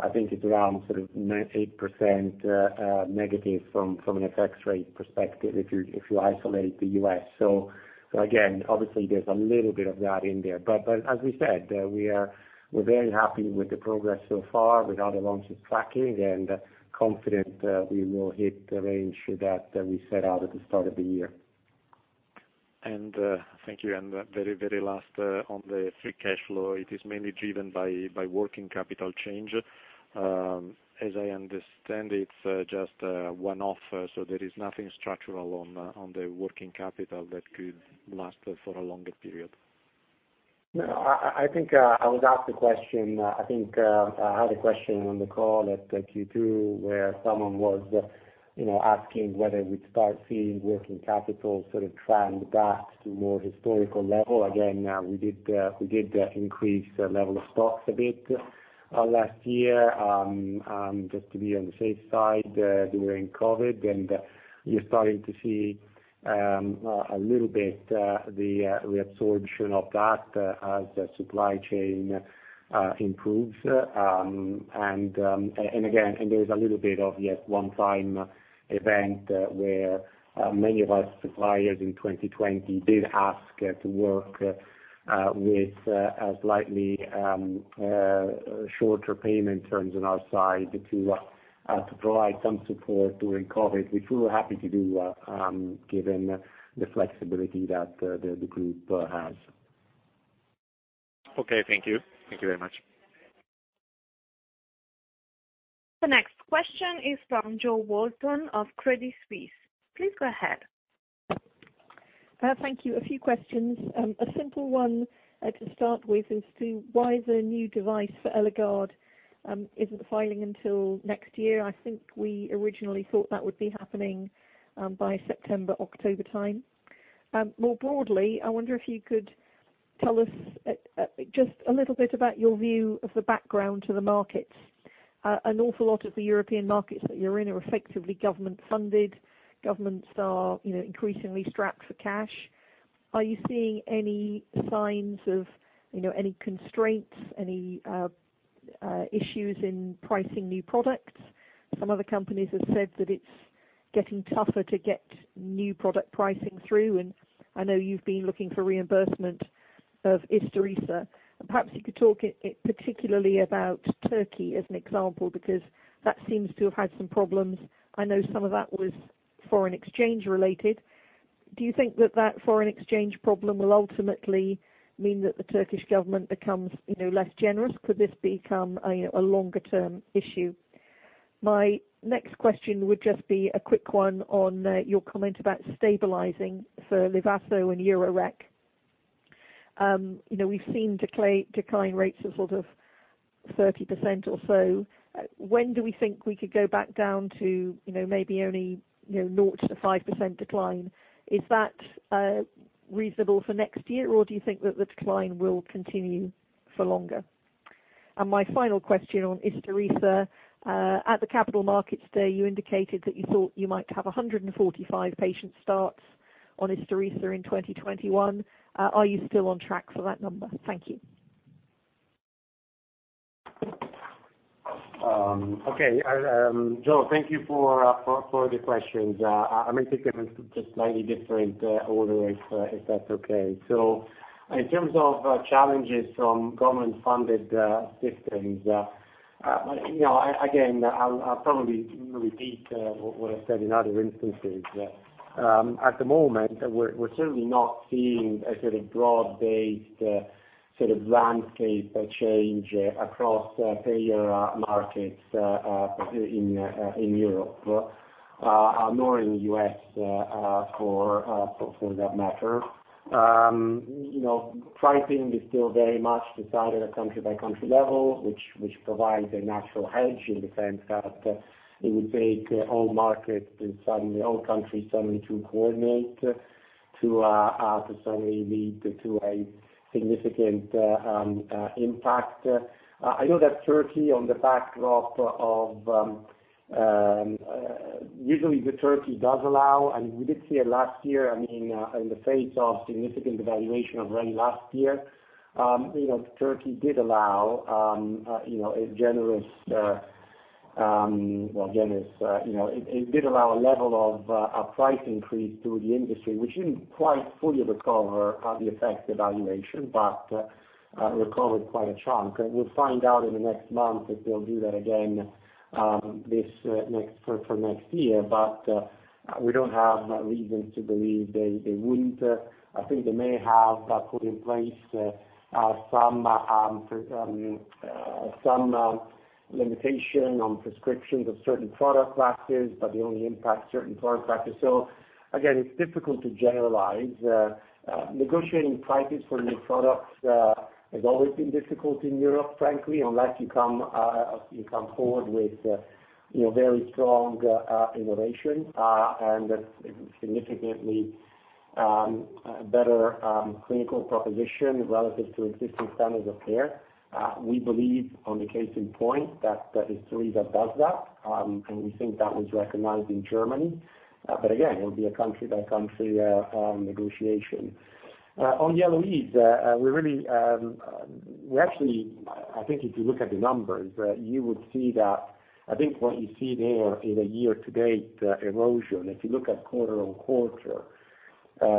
I think it's around 8%-9% negative from an FX rate perspective if you isolate the U.S. Obviously there's a little bit of that in there. As we said, we're very happy with the progress so far with other launches tracking, and confident we will hit the range that we set out at the start of the year. Thank you. Very, very last, on the free cash flow, it is mainly driven by working capital change. As I understand, it's just one-off, so there is nothing structural on the working capital that could last for a longer period. No, I think I was asked the question on the call at Q2 where someone was, you know, asking whether we'd start seeing working capital sort of trend back to more historical level. Again, we did increase the level of stocks a bit last year just to be on the safe side during COVID. You're starting to see a little bit the reabsorption of that as the supply chain improves. There is a little bit of, yes, one-time event where many of our suppliers in 2020 did ask to work with a slightly shorter payment terms on our side to provide some support during COVID, which we were happy to do, given the flexibility that the group has. Okay, thank you. Thank you very much. The next question is from Jo Walton of Credit Suisse. Please go ahead. Thank you. A few questions. A simple one to start with is why the new device for Eligard isn't filing until next year? I think we originally thought that would be happening by September-October time. More broadly, I wonder if you could tell us just a little bit about your view of the background to the markets. An awful lot of the European markets that you're in are effectively government funded. Governments are, you know, increasingly strapped for cash. Are you seeing any signs of, you know, any constraints, any issues in pricing new products? Some other companies have said that it's getting tougher to get new product pricing through, and I know you've been looking for reimbursement of Isturisa. Perhaps you could talk particularly about Turkey as an example, because that seems to have had some problems. I know some of that was foreign exchange related. Do you think that that foreign exchange problem will ultimately mean that the Turkish government becomes, you know, less generous? Could this become a, you know, a longer-term issue? My next question would just be a quick one on your comment about stabilizing for Livazo and Urorec. You know, we've seen declining rates of sort of 30% or so. When do we think we could go back down to, you know, maybe only, you know, 0%-5% decline? Is that reasonable for next year, or do you think that the decline will continue for longer? My final question on Isturisa, at the Capital Markets Day, you indicated that you thought you might have 145 patient starts on Isturisa in 2021. Are you still on track for that number? Thank you. Okay. Jo, thank you for the questions. I may take them in just slightly different order if that's okay. In terms of challenges from government funded systems, you know, again, I'll probably repeat what I said in other instances. At the moment, we're certainly not seeing a sort of broad-based sort of landscape change across payer markets in Europe, nor in the U.S., for that matter. You know, pricing is still very much decided at country by country level, which provides a natural hedge in the sense that it would take all markets and suddenly all countries suddenly to coordinate to suddenly lead to a significant impact. I know that Turkey on the backdrop of usually Turkey does allow, and we did see it last year. I mean, in the face of significant devaluation of lira last year, you know, Turkey did allow a generous. Well, again, it's you know, it did allow a level of a price increase through the industry, which didn't quite fully recover the effects of the devaluation, but recovered quite a chunk. We'll find out in the next month if they'll do that again for next year. We don't have reasons to believe they wouldn't. I think they may have put in place some limitation on prescriptions of certain product classes, but they only impact certain product classes. Again, it's difficult to generalize. Negotiating prices for new products has always been difficult in Europe, frankly, unless you come forward with, you know, very strong innovation and a significantly better clinical proposition relative to existing standards of care. We believe on the case in point that Isturisa does that, and we think that was recognized in Germany. Again, it will be a country by country negotiation. On LOEs, we really, I think if you look at the numbers, you would see that I think what you see there in a year-to-date erosion, if you look at quarter-on-quarter,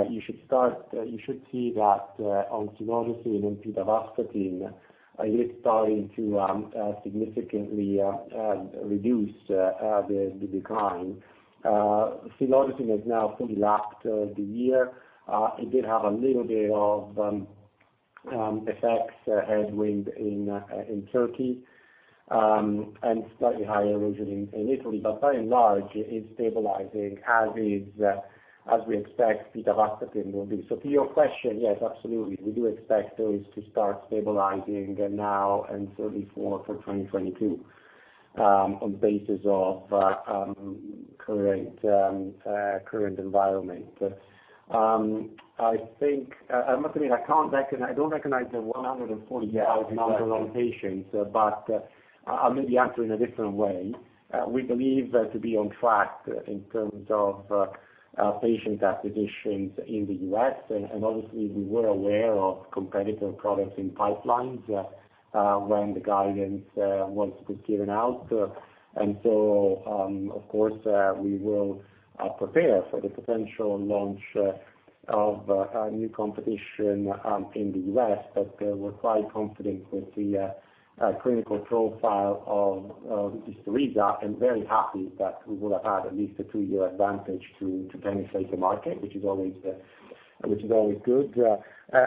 you should see that, on silodosin and pitavastatin, it is starting to significantly reduce the decline. Silodosin has now fully lapped the year. It did have a little bit of FX headwind in Turkey and slightly higher erosion in Italy. By and large, it's stabilizing, as is, as we expect pitavastatin will be. To your question, yes, absolutely. We do expect those to start stabilizing now and certainly for 2022, on the basis of current environment. I think, I mean, I don't recognize the 140,000 patients, but I'll maybe answer in a different way. We believe to be on track in terms of patient acquisitions in the U.S. Obviously we were aware of competitive products in pipelines when the guidance was given out. Of course, we will prepare for the potential launch of new competition in the U.S. We're quite confident with the clinical profile of Isturisa, and very happy that we will have had at least a two-year advantage to penetrate the market, which is always good.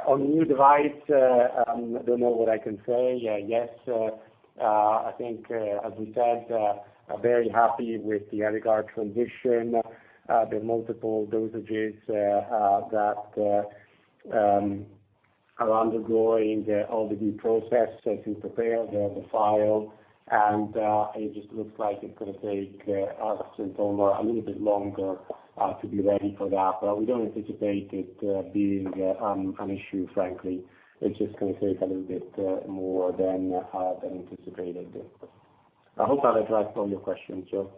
On new device, I don't know what I can say. Yes, I think, as we said, very happy with the Eligard transition. The multiple dosages that are undergoing the LDP process to prepare the file. It just looks like it's gonna take us and Tolmar a little bit longer to be ready for that. We don't anticipate it being an issue, frankly. It's just gonna take a little bit more than anticipated. I hope I've addressed all your questions, Jo.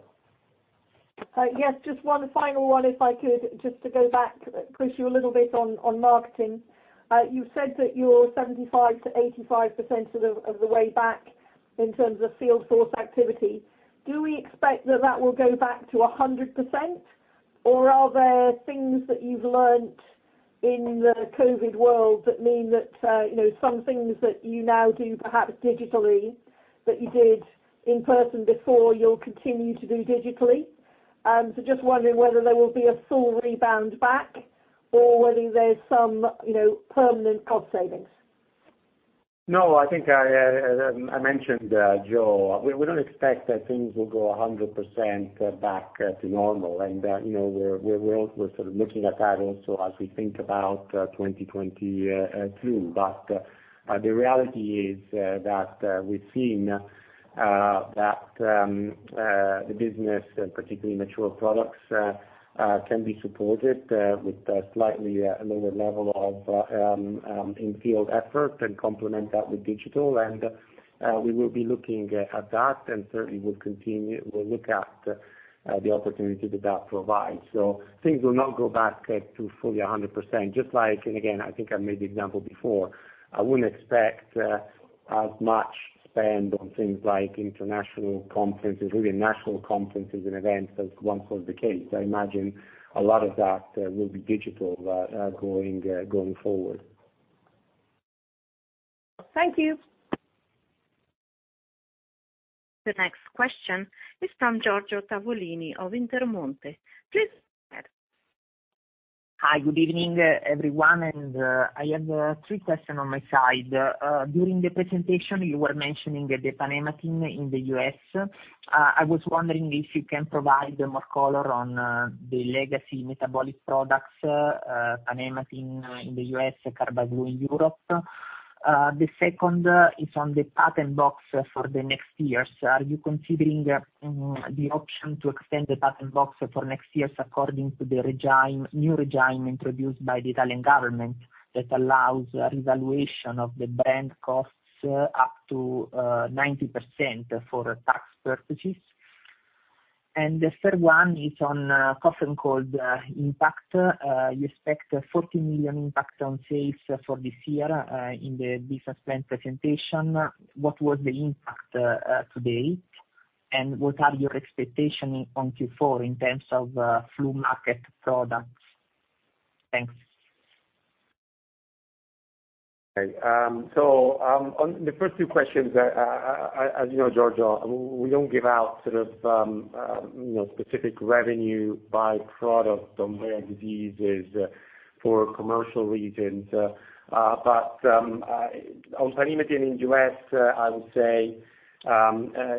Yes, just one final one if I could, just to go back, push you a little bit on marketing. You said that you're 75%-85% of the way back in terms of field force activity. Do we expect that will go back to 100%, or are there things that you've learned in the COVID world that mean that, you know, some things that you now do perhaps digitally that you did in person before, you'll continue to do digitally? So just wondering whether there will be a full rebound back or whether there's some, you know, permanent cost savings. No, I think, as I mentioned, Jo, we don't expect that things will go 100% back to normal. You know, we're sort of looking at that also as we think about 2022. The reality is that we've seen that the business and particularly mature products can be supported with a slightly lower level of in-field effort and complement that with digital. We will be looking at that and certainly will continue. We'll look at the opportunity that provides. Things will not go back to fully 100%, just like and again, I think I made the example before, I wouldn't expect as much spend on things like international conferences, really national conferences and events as once was the case. I imagine a lot of that will be digital going forward. Thank you. The next question is from Giorgio Tavolini of Intermonte. Please go ahead. Hi. Good evening, everyone. I have three questions on my side. During the presentation you were mentioning the Panhematin in the U.S. I was wondering if you can provide more color on the legacy metabolic products, Panhematin in the U.S., Carbaglu in Europe. The second is on the patent box for the next years. Are you considering the option to extend the patent box for next years according to the regime, new regime introduced by the Italian government that allows revaluation of the brand costs up to 90% for tax purposes? The third one is on a On the first two questions, as you know, Giorgio, we don't give out sort of, you know, specific revenue by product on rare diseases for commercial reasons. But on Panhematin in U.S., I would say,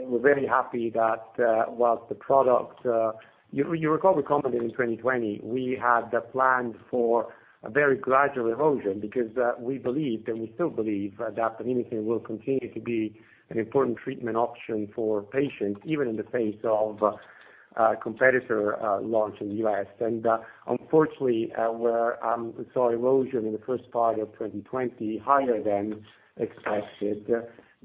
we're very happy that, while the product, you recall we commented in 2020, we had planned for a very gradual erosion because we believed, and we still believe that Panhematin will continue to be an important treatment option for patients, even in the face of competitor launch in the U.S. Unfortunately, we saw erosion in the first part of 2020 higher than expected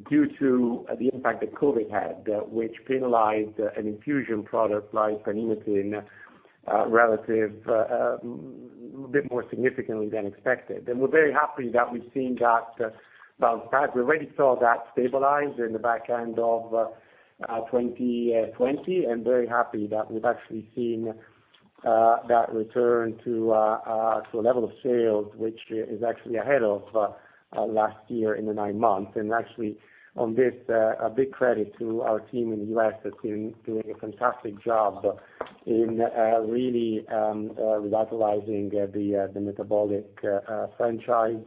due to the impact that COVID had, which penalized an infusion product like Panhematin relatively a bit more significantly than expected. We're very happy that we've seen that bounce back. We already saw that stabilize in the back end of 2020 and very happy that we've actually seen that return to a level of sales which is actually ahead of last year in the nine months. Actually, on this, a big credit to our team in the U.S. that's been doing a fantastic job in really revitalizing the metabolic franchise.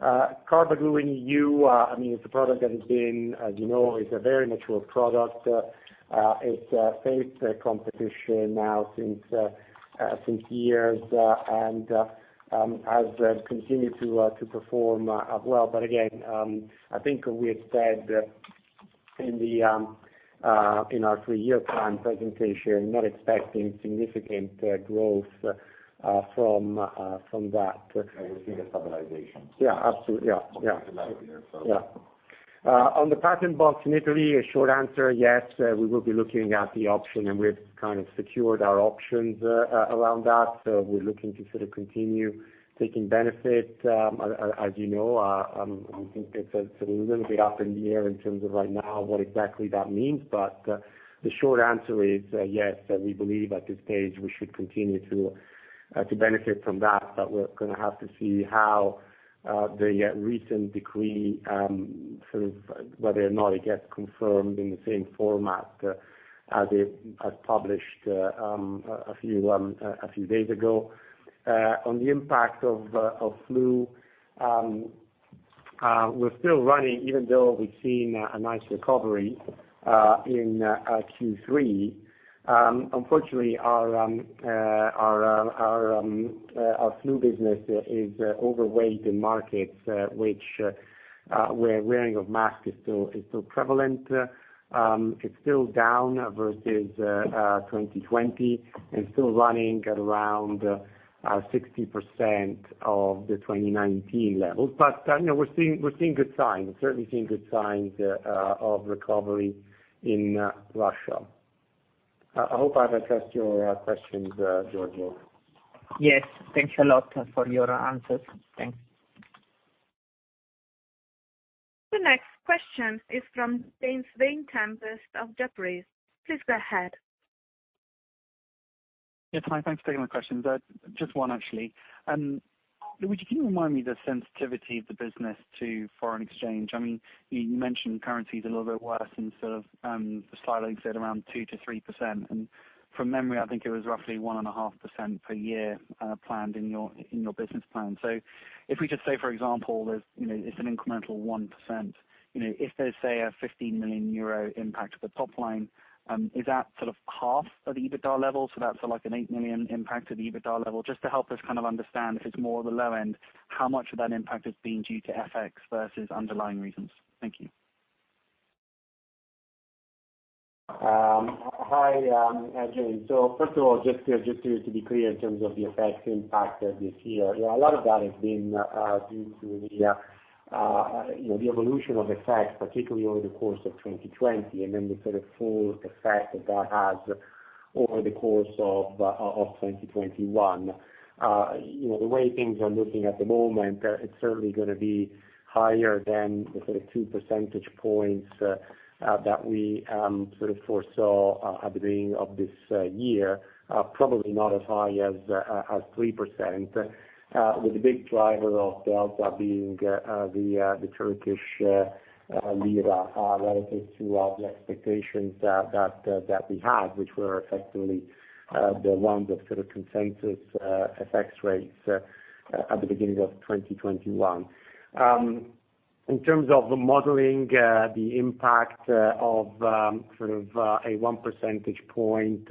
Carbaglu in EU, I mean, it's a product that has been, as you know, is a very mature product. It's faced competition now for years and has continued to perform well. Again, I think we had said in our three-year plan presentation, not expecting significant growth from that. We're seeing a stabilization. Yeah, absolutely. On the patent box in Italy, a short answer, yes, we will be looking at the option, and we've kind of secured our options around that. We're looking to sort of continue taking benefit. As you know, I think it's a little bit up in the air in terms of right now what exactly that means. The short answer is, yes, we believe at this stage we should continue to benefit from that. We're gonna have to see how the recent decree sort of whether or not it gets confirmed in the same format as it was published a few days ago. On the impact of flu, we're still running, even though we've seen a nice recovery in Q3. Unfortunately, our flu business is overweighted in markets where wearing of mask is still prevalent. It's still down versus 2020, and still running at around 60% of the 2019 levels. You know, we're seeing good signs, certainly seeing good signs of recovery in Russia. I hope I've addressed your questions, Giorgio. Yes. Thanks a lot for your answers. Thanks. The next question is from James Vane-Tempest of Jefferies. Please go ahead. Yeah, hi. Thanks for taking my questions. Just one actually. Luigi, can you remind me the sensitivity of the business to foreign exchange? I mean, you mentioned currency is a little bit worse instead of the slide said around 2%-3%. From memory, I think it was roughly 1.5% per year planned in your business plan. If we just say, for example, that you know, it's an incremental 1%, you know, if there's, say, a 15 million euro impact to the top line, is that sort of half of the EBITDA level? That's like an 8 million impact to the EBITDA level. Just to help us kind of understand if it's more the low end, how much of that impact is being due to FX versus underlying reasons. Thank you. Hi, James. First of all, just to be clear in terms of the FX impact this year, you know, a lot of that has been due to the evolution of FX, particularly over the course of 2020, and then the sort of full effect that that has over the course of 2021. You know, the way things are looking at the moment, it's certainly gonna be higher than the sort of 2 percentage points that we sort of foresaw at the beginning of this year. Probably not as high as 3%, with the big driver of delta being the Turkish lira relative to the expectations that we had, which were effectively the round of sort of consensus FX rates at the beginning of 2021. In terms of modeling the impact of sort of a 1 percentage point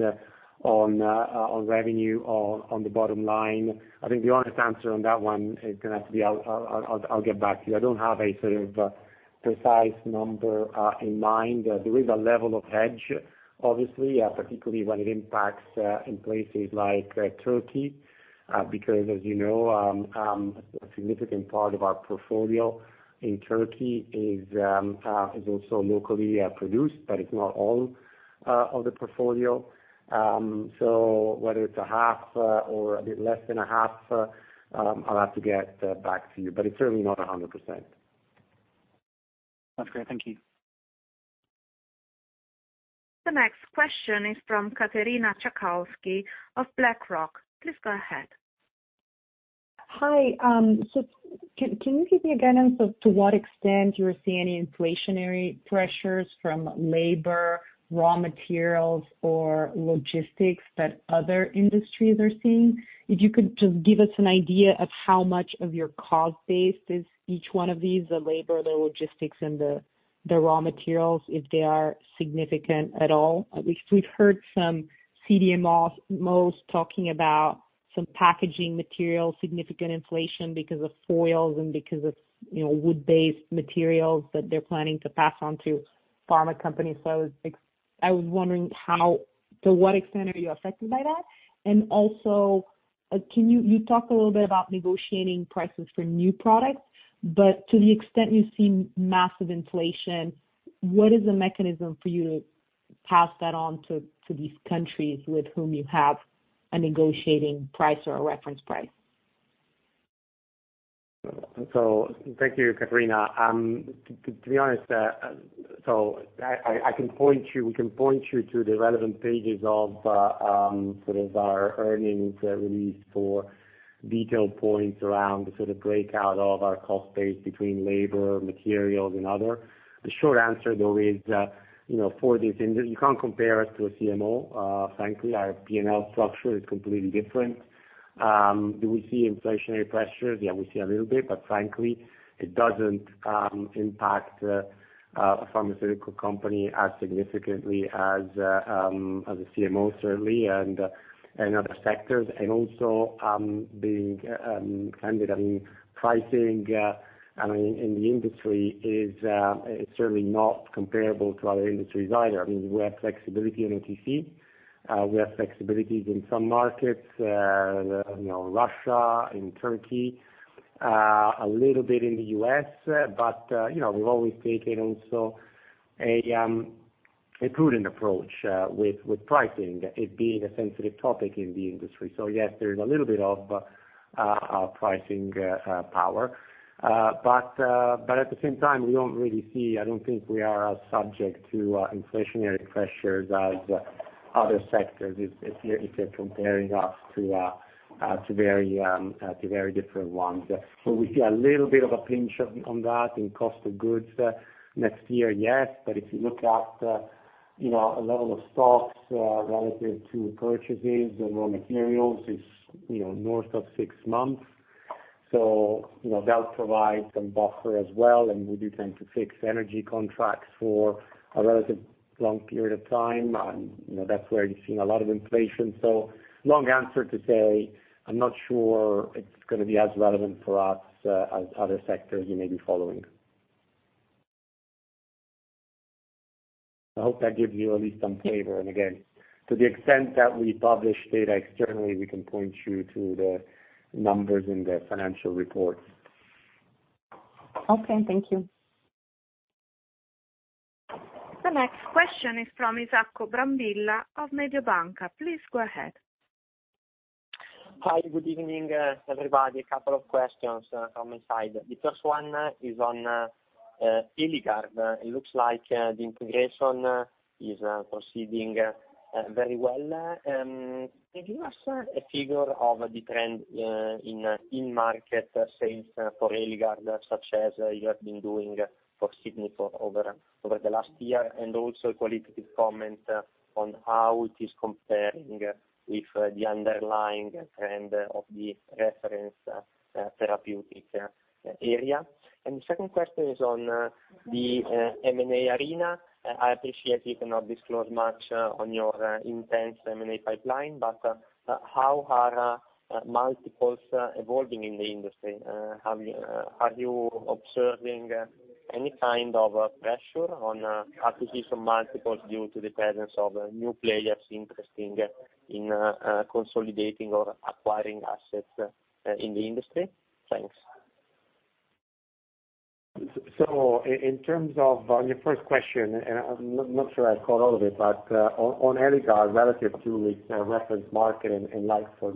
on revenue on the bottom line, I think the honest answer on that one is gonna have to be I'll get back to you. I don't have a sort of precise number in mind. There is a level of hedge obviously, particularly when it impacts in places like Turkey, because as you know, a significant part of our portfolio in Turkey is also locally produced, but it's not all of the portfolio. Whether it's a half or a bit less than a half, I'll have to get back to you, but it's certainly not 100%. That's great. Thank you. The next question is from Katerina Tchakalski of BlackRock. Please go ahead. Hi. Can you give me guidance as to what extent you're seeing any inflationary pressures from labor, raw materials or logistics that other industries are seeing? If you could just give us an idea of how much of your cost base is each one of these, the labor, the logistics and the raw materials, if they are significant at all. At least we've heard some CDMOs, CMOs talking about some packaging materials, significant inflation because of foils and because of, you know, wood-based materials that they're planning to pass on to pharma companies. I was wondering to what extent are you affected by that? Also, can you talk a little bit about negotiating prices for new products, but to the extent you've seen massive inflation, what is the mechanism for you to pass that on to these countries with whom you have a negotiating price or a reference price? Thank you, Katerina. To be honest, we can point you to the relevant pages of our earnings release for detailed points around the sort of breakout of our cost base between labor, materials and other. The short answer though is, you know, you can't compare us to a CMO, frankly, our P&L structure is completely different. Do we see inflationary pressures? Yeah, we see a little bit, but frankly, it doesn't impact a pharmaceutical company as significantly as a CMO certainly, and other sectors. Also, being candid, I mean, pricing, I mean, in the industry is certainly not comparable to other industries either. I mean, we have flexibility on OTC. We have flexibilities in some markets, you know, Russia, in Turkey, a little bit in the U.S., but you know, we've always taken also a prudent approach with pricing, it being a sensitive topic in the industry. Yes, there is a little bit of pricing power. But at the same time, we don't really see I don't think we are as subject to inflationary pressures as other sectors if you're comparing us to very different ones. We see a little bit of a pinch on that in cost of goods next year, yes. If you look at, you know, a level of stocks relative to purchases, the raw materials is, you know, north of six months. You know, that provides some buffer as well, and we do tend to fix energy contracts for a relatively long period of time. You know, that's where you're seeing a lot of inflation. Long answer to say, I'm not sure it's gonna be as relevant for us as other sectors you may be following. I hope that gives you at least some flavor. Again, to the extent that we publish data externally, we can point you to the numbers in the financial reports. Okay. Thank you. The next question is from Isacco Brambilla of Mediobanca. Please go ahead. Hi. Good evening, everybody. A couple of questions from my side. The first one is on Eligard. It looks like the integration is proceeding very well. Can you give us a figure of the trend in market sales for Eligard such as you have been doing for Signifor over the last year, and also a qualitative comment on how it is comparing with the underlying trend of the reference therapeutic area? The second question is on the M&A arena. I appreciate you cannot disclose much on your intense M&A pipeline, but how are multiples evolving in the industry? Are you observing any kind of pressure on acquisition multiples due to the presence of new players interested in consolidating or acquiring assets in the industry? Thanks. In terms of your first question, I'm not sure I caught all of it, but on Eligard, relative to its reference market and like for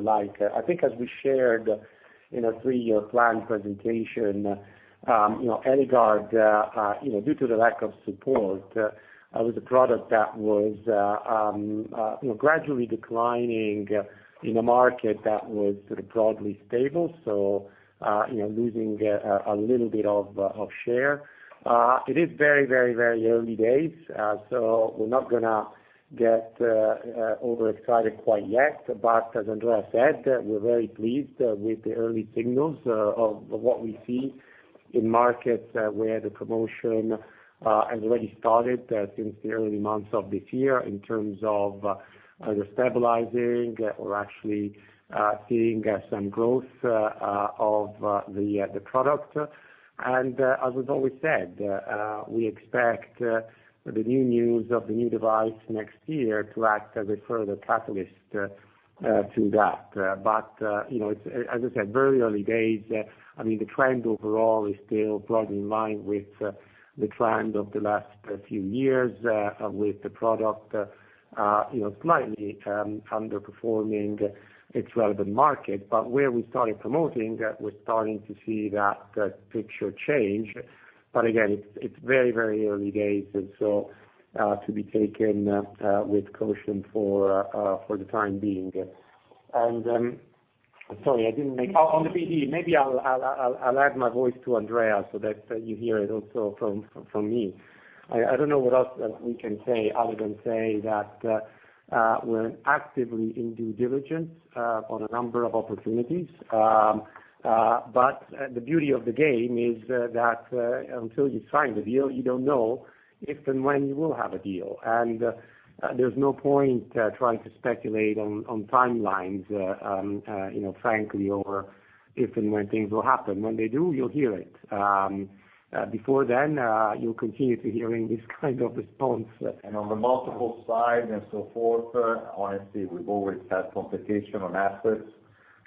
like, I think as we shared in our three-year plan presentation, you know, Eligard, you know, due to the lack of support, was a product that was, you know, gradually declining in a market that was sort of broadly stable, so you know, losing a little bit of share. It is very early days, so we're not gonna get overexcited quite yet. As Andrea said, we're very pleased with the early signals of what we see in markets where the promotion has already started since the early months of this year in terms of either stabilizing or actually seeing some growth of the product. As we've always said, we expect the news of the new device next year to act as a further catalyst to that. You know, it's, as I said, very early days. I mean, the trend overall is still broadly in line with the trend of the last few years with the product you know slightly underperforming its relevant market. Where we started promoting, we're starting to see that picture change. It's very early days, so to be taken for the time being. Sorry, on the Business Development, maybe I'll add my voice to Andrea so that you hear it also from me. I don't know what else we can say other than say that we're actively in due diligence on a number of opportunities. The beauty of the game is that until you sign the deal, you don't know if and when you will have a deal. There's no point trying to speculate on timelines, you know, frankly, or if and when things will happen. When they do, you'll hear it. Before then, you'll continue to hear this kind of response. On the multiple side and so forth, honestly, we've always had competition on assets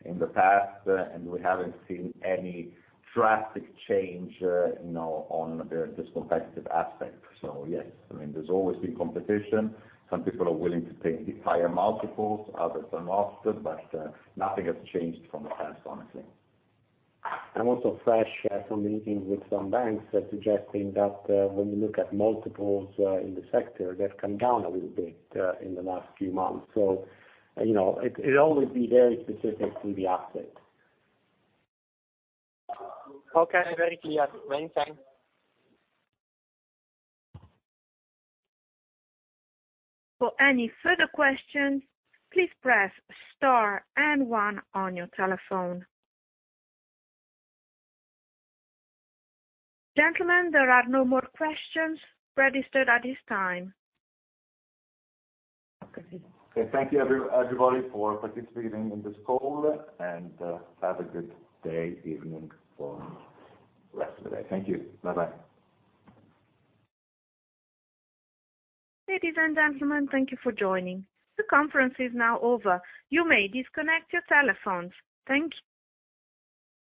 in the past, and we haven't seen any drastic change, you know, on this competitive aspect. Yes, I mean, there's always been competition. Some people are willing to pay higher multiples, others are not. Nothing has changed from the past, honestly. I'm also fresh from meeting with some banks suggesting that, when you look at multiples, in the sector, they've come down a little bit, in the last few months. You know, it always be very specific to the asset. Okay, very clear. Many thanks. For any further questions, please press Star and One on your telephone. Gentlemen, there are no more questions registered at this time. Okay. Thank you everybody for participating in this call, and have a good day, evening for rest of the day. Thank you. Bye-bye. Ladies and gentlemen, thank you for joining. The conference is now over. You may disconnect your telephones. Thank you.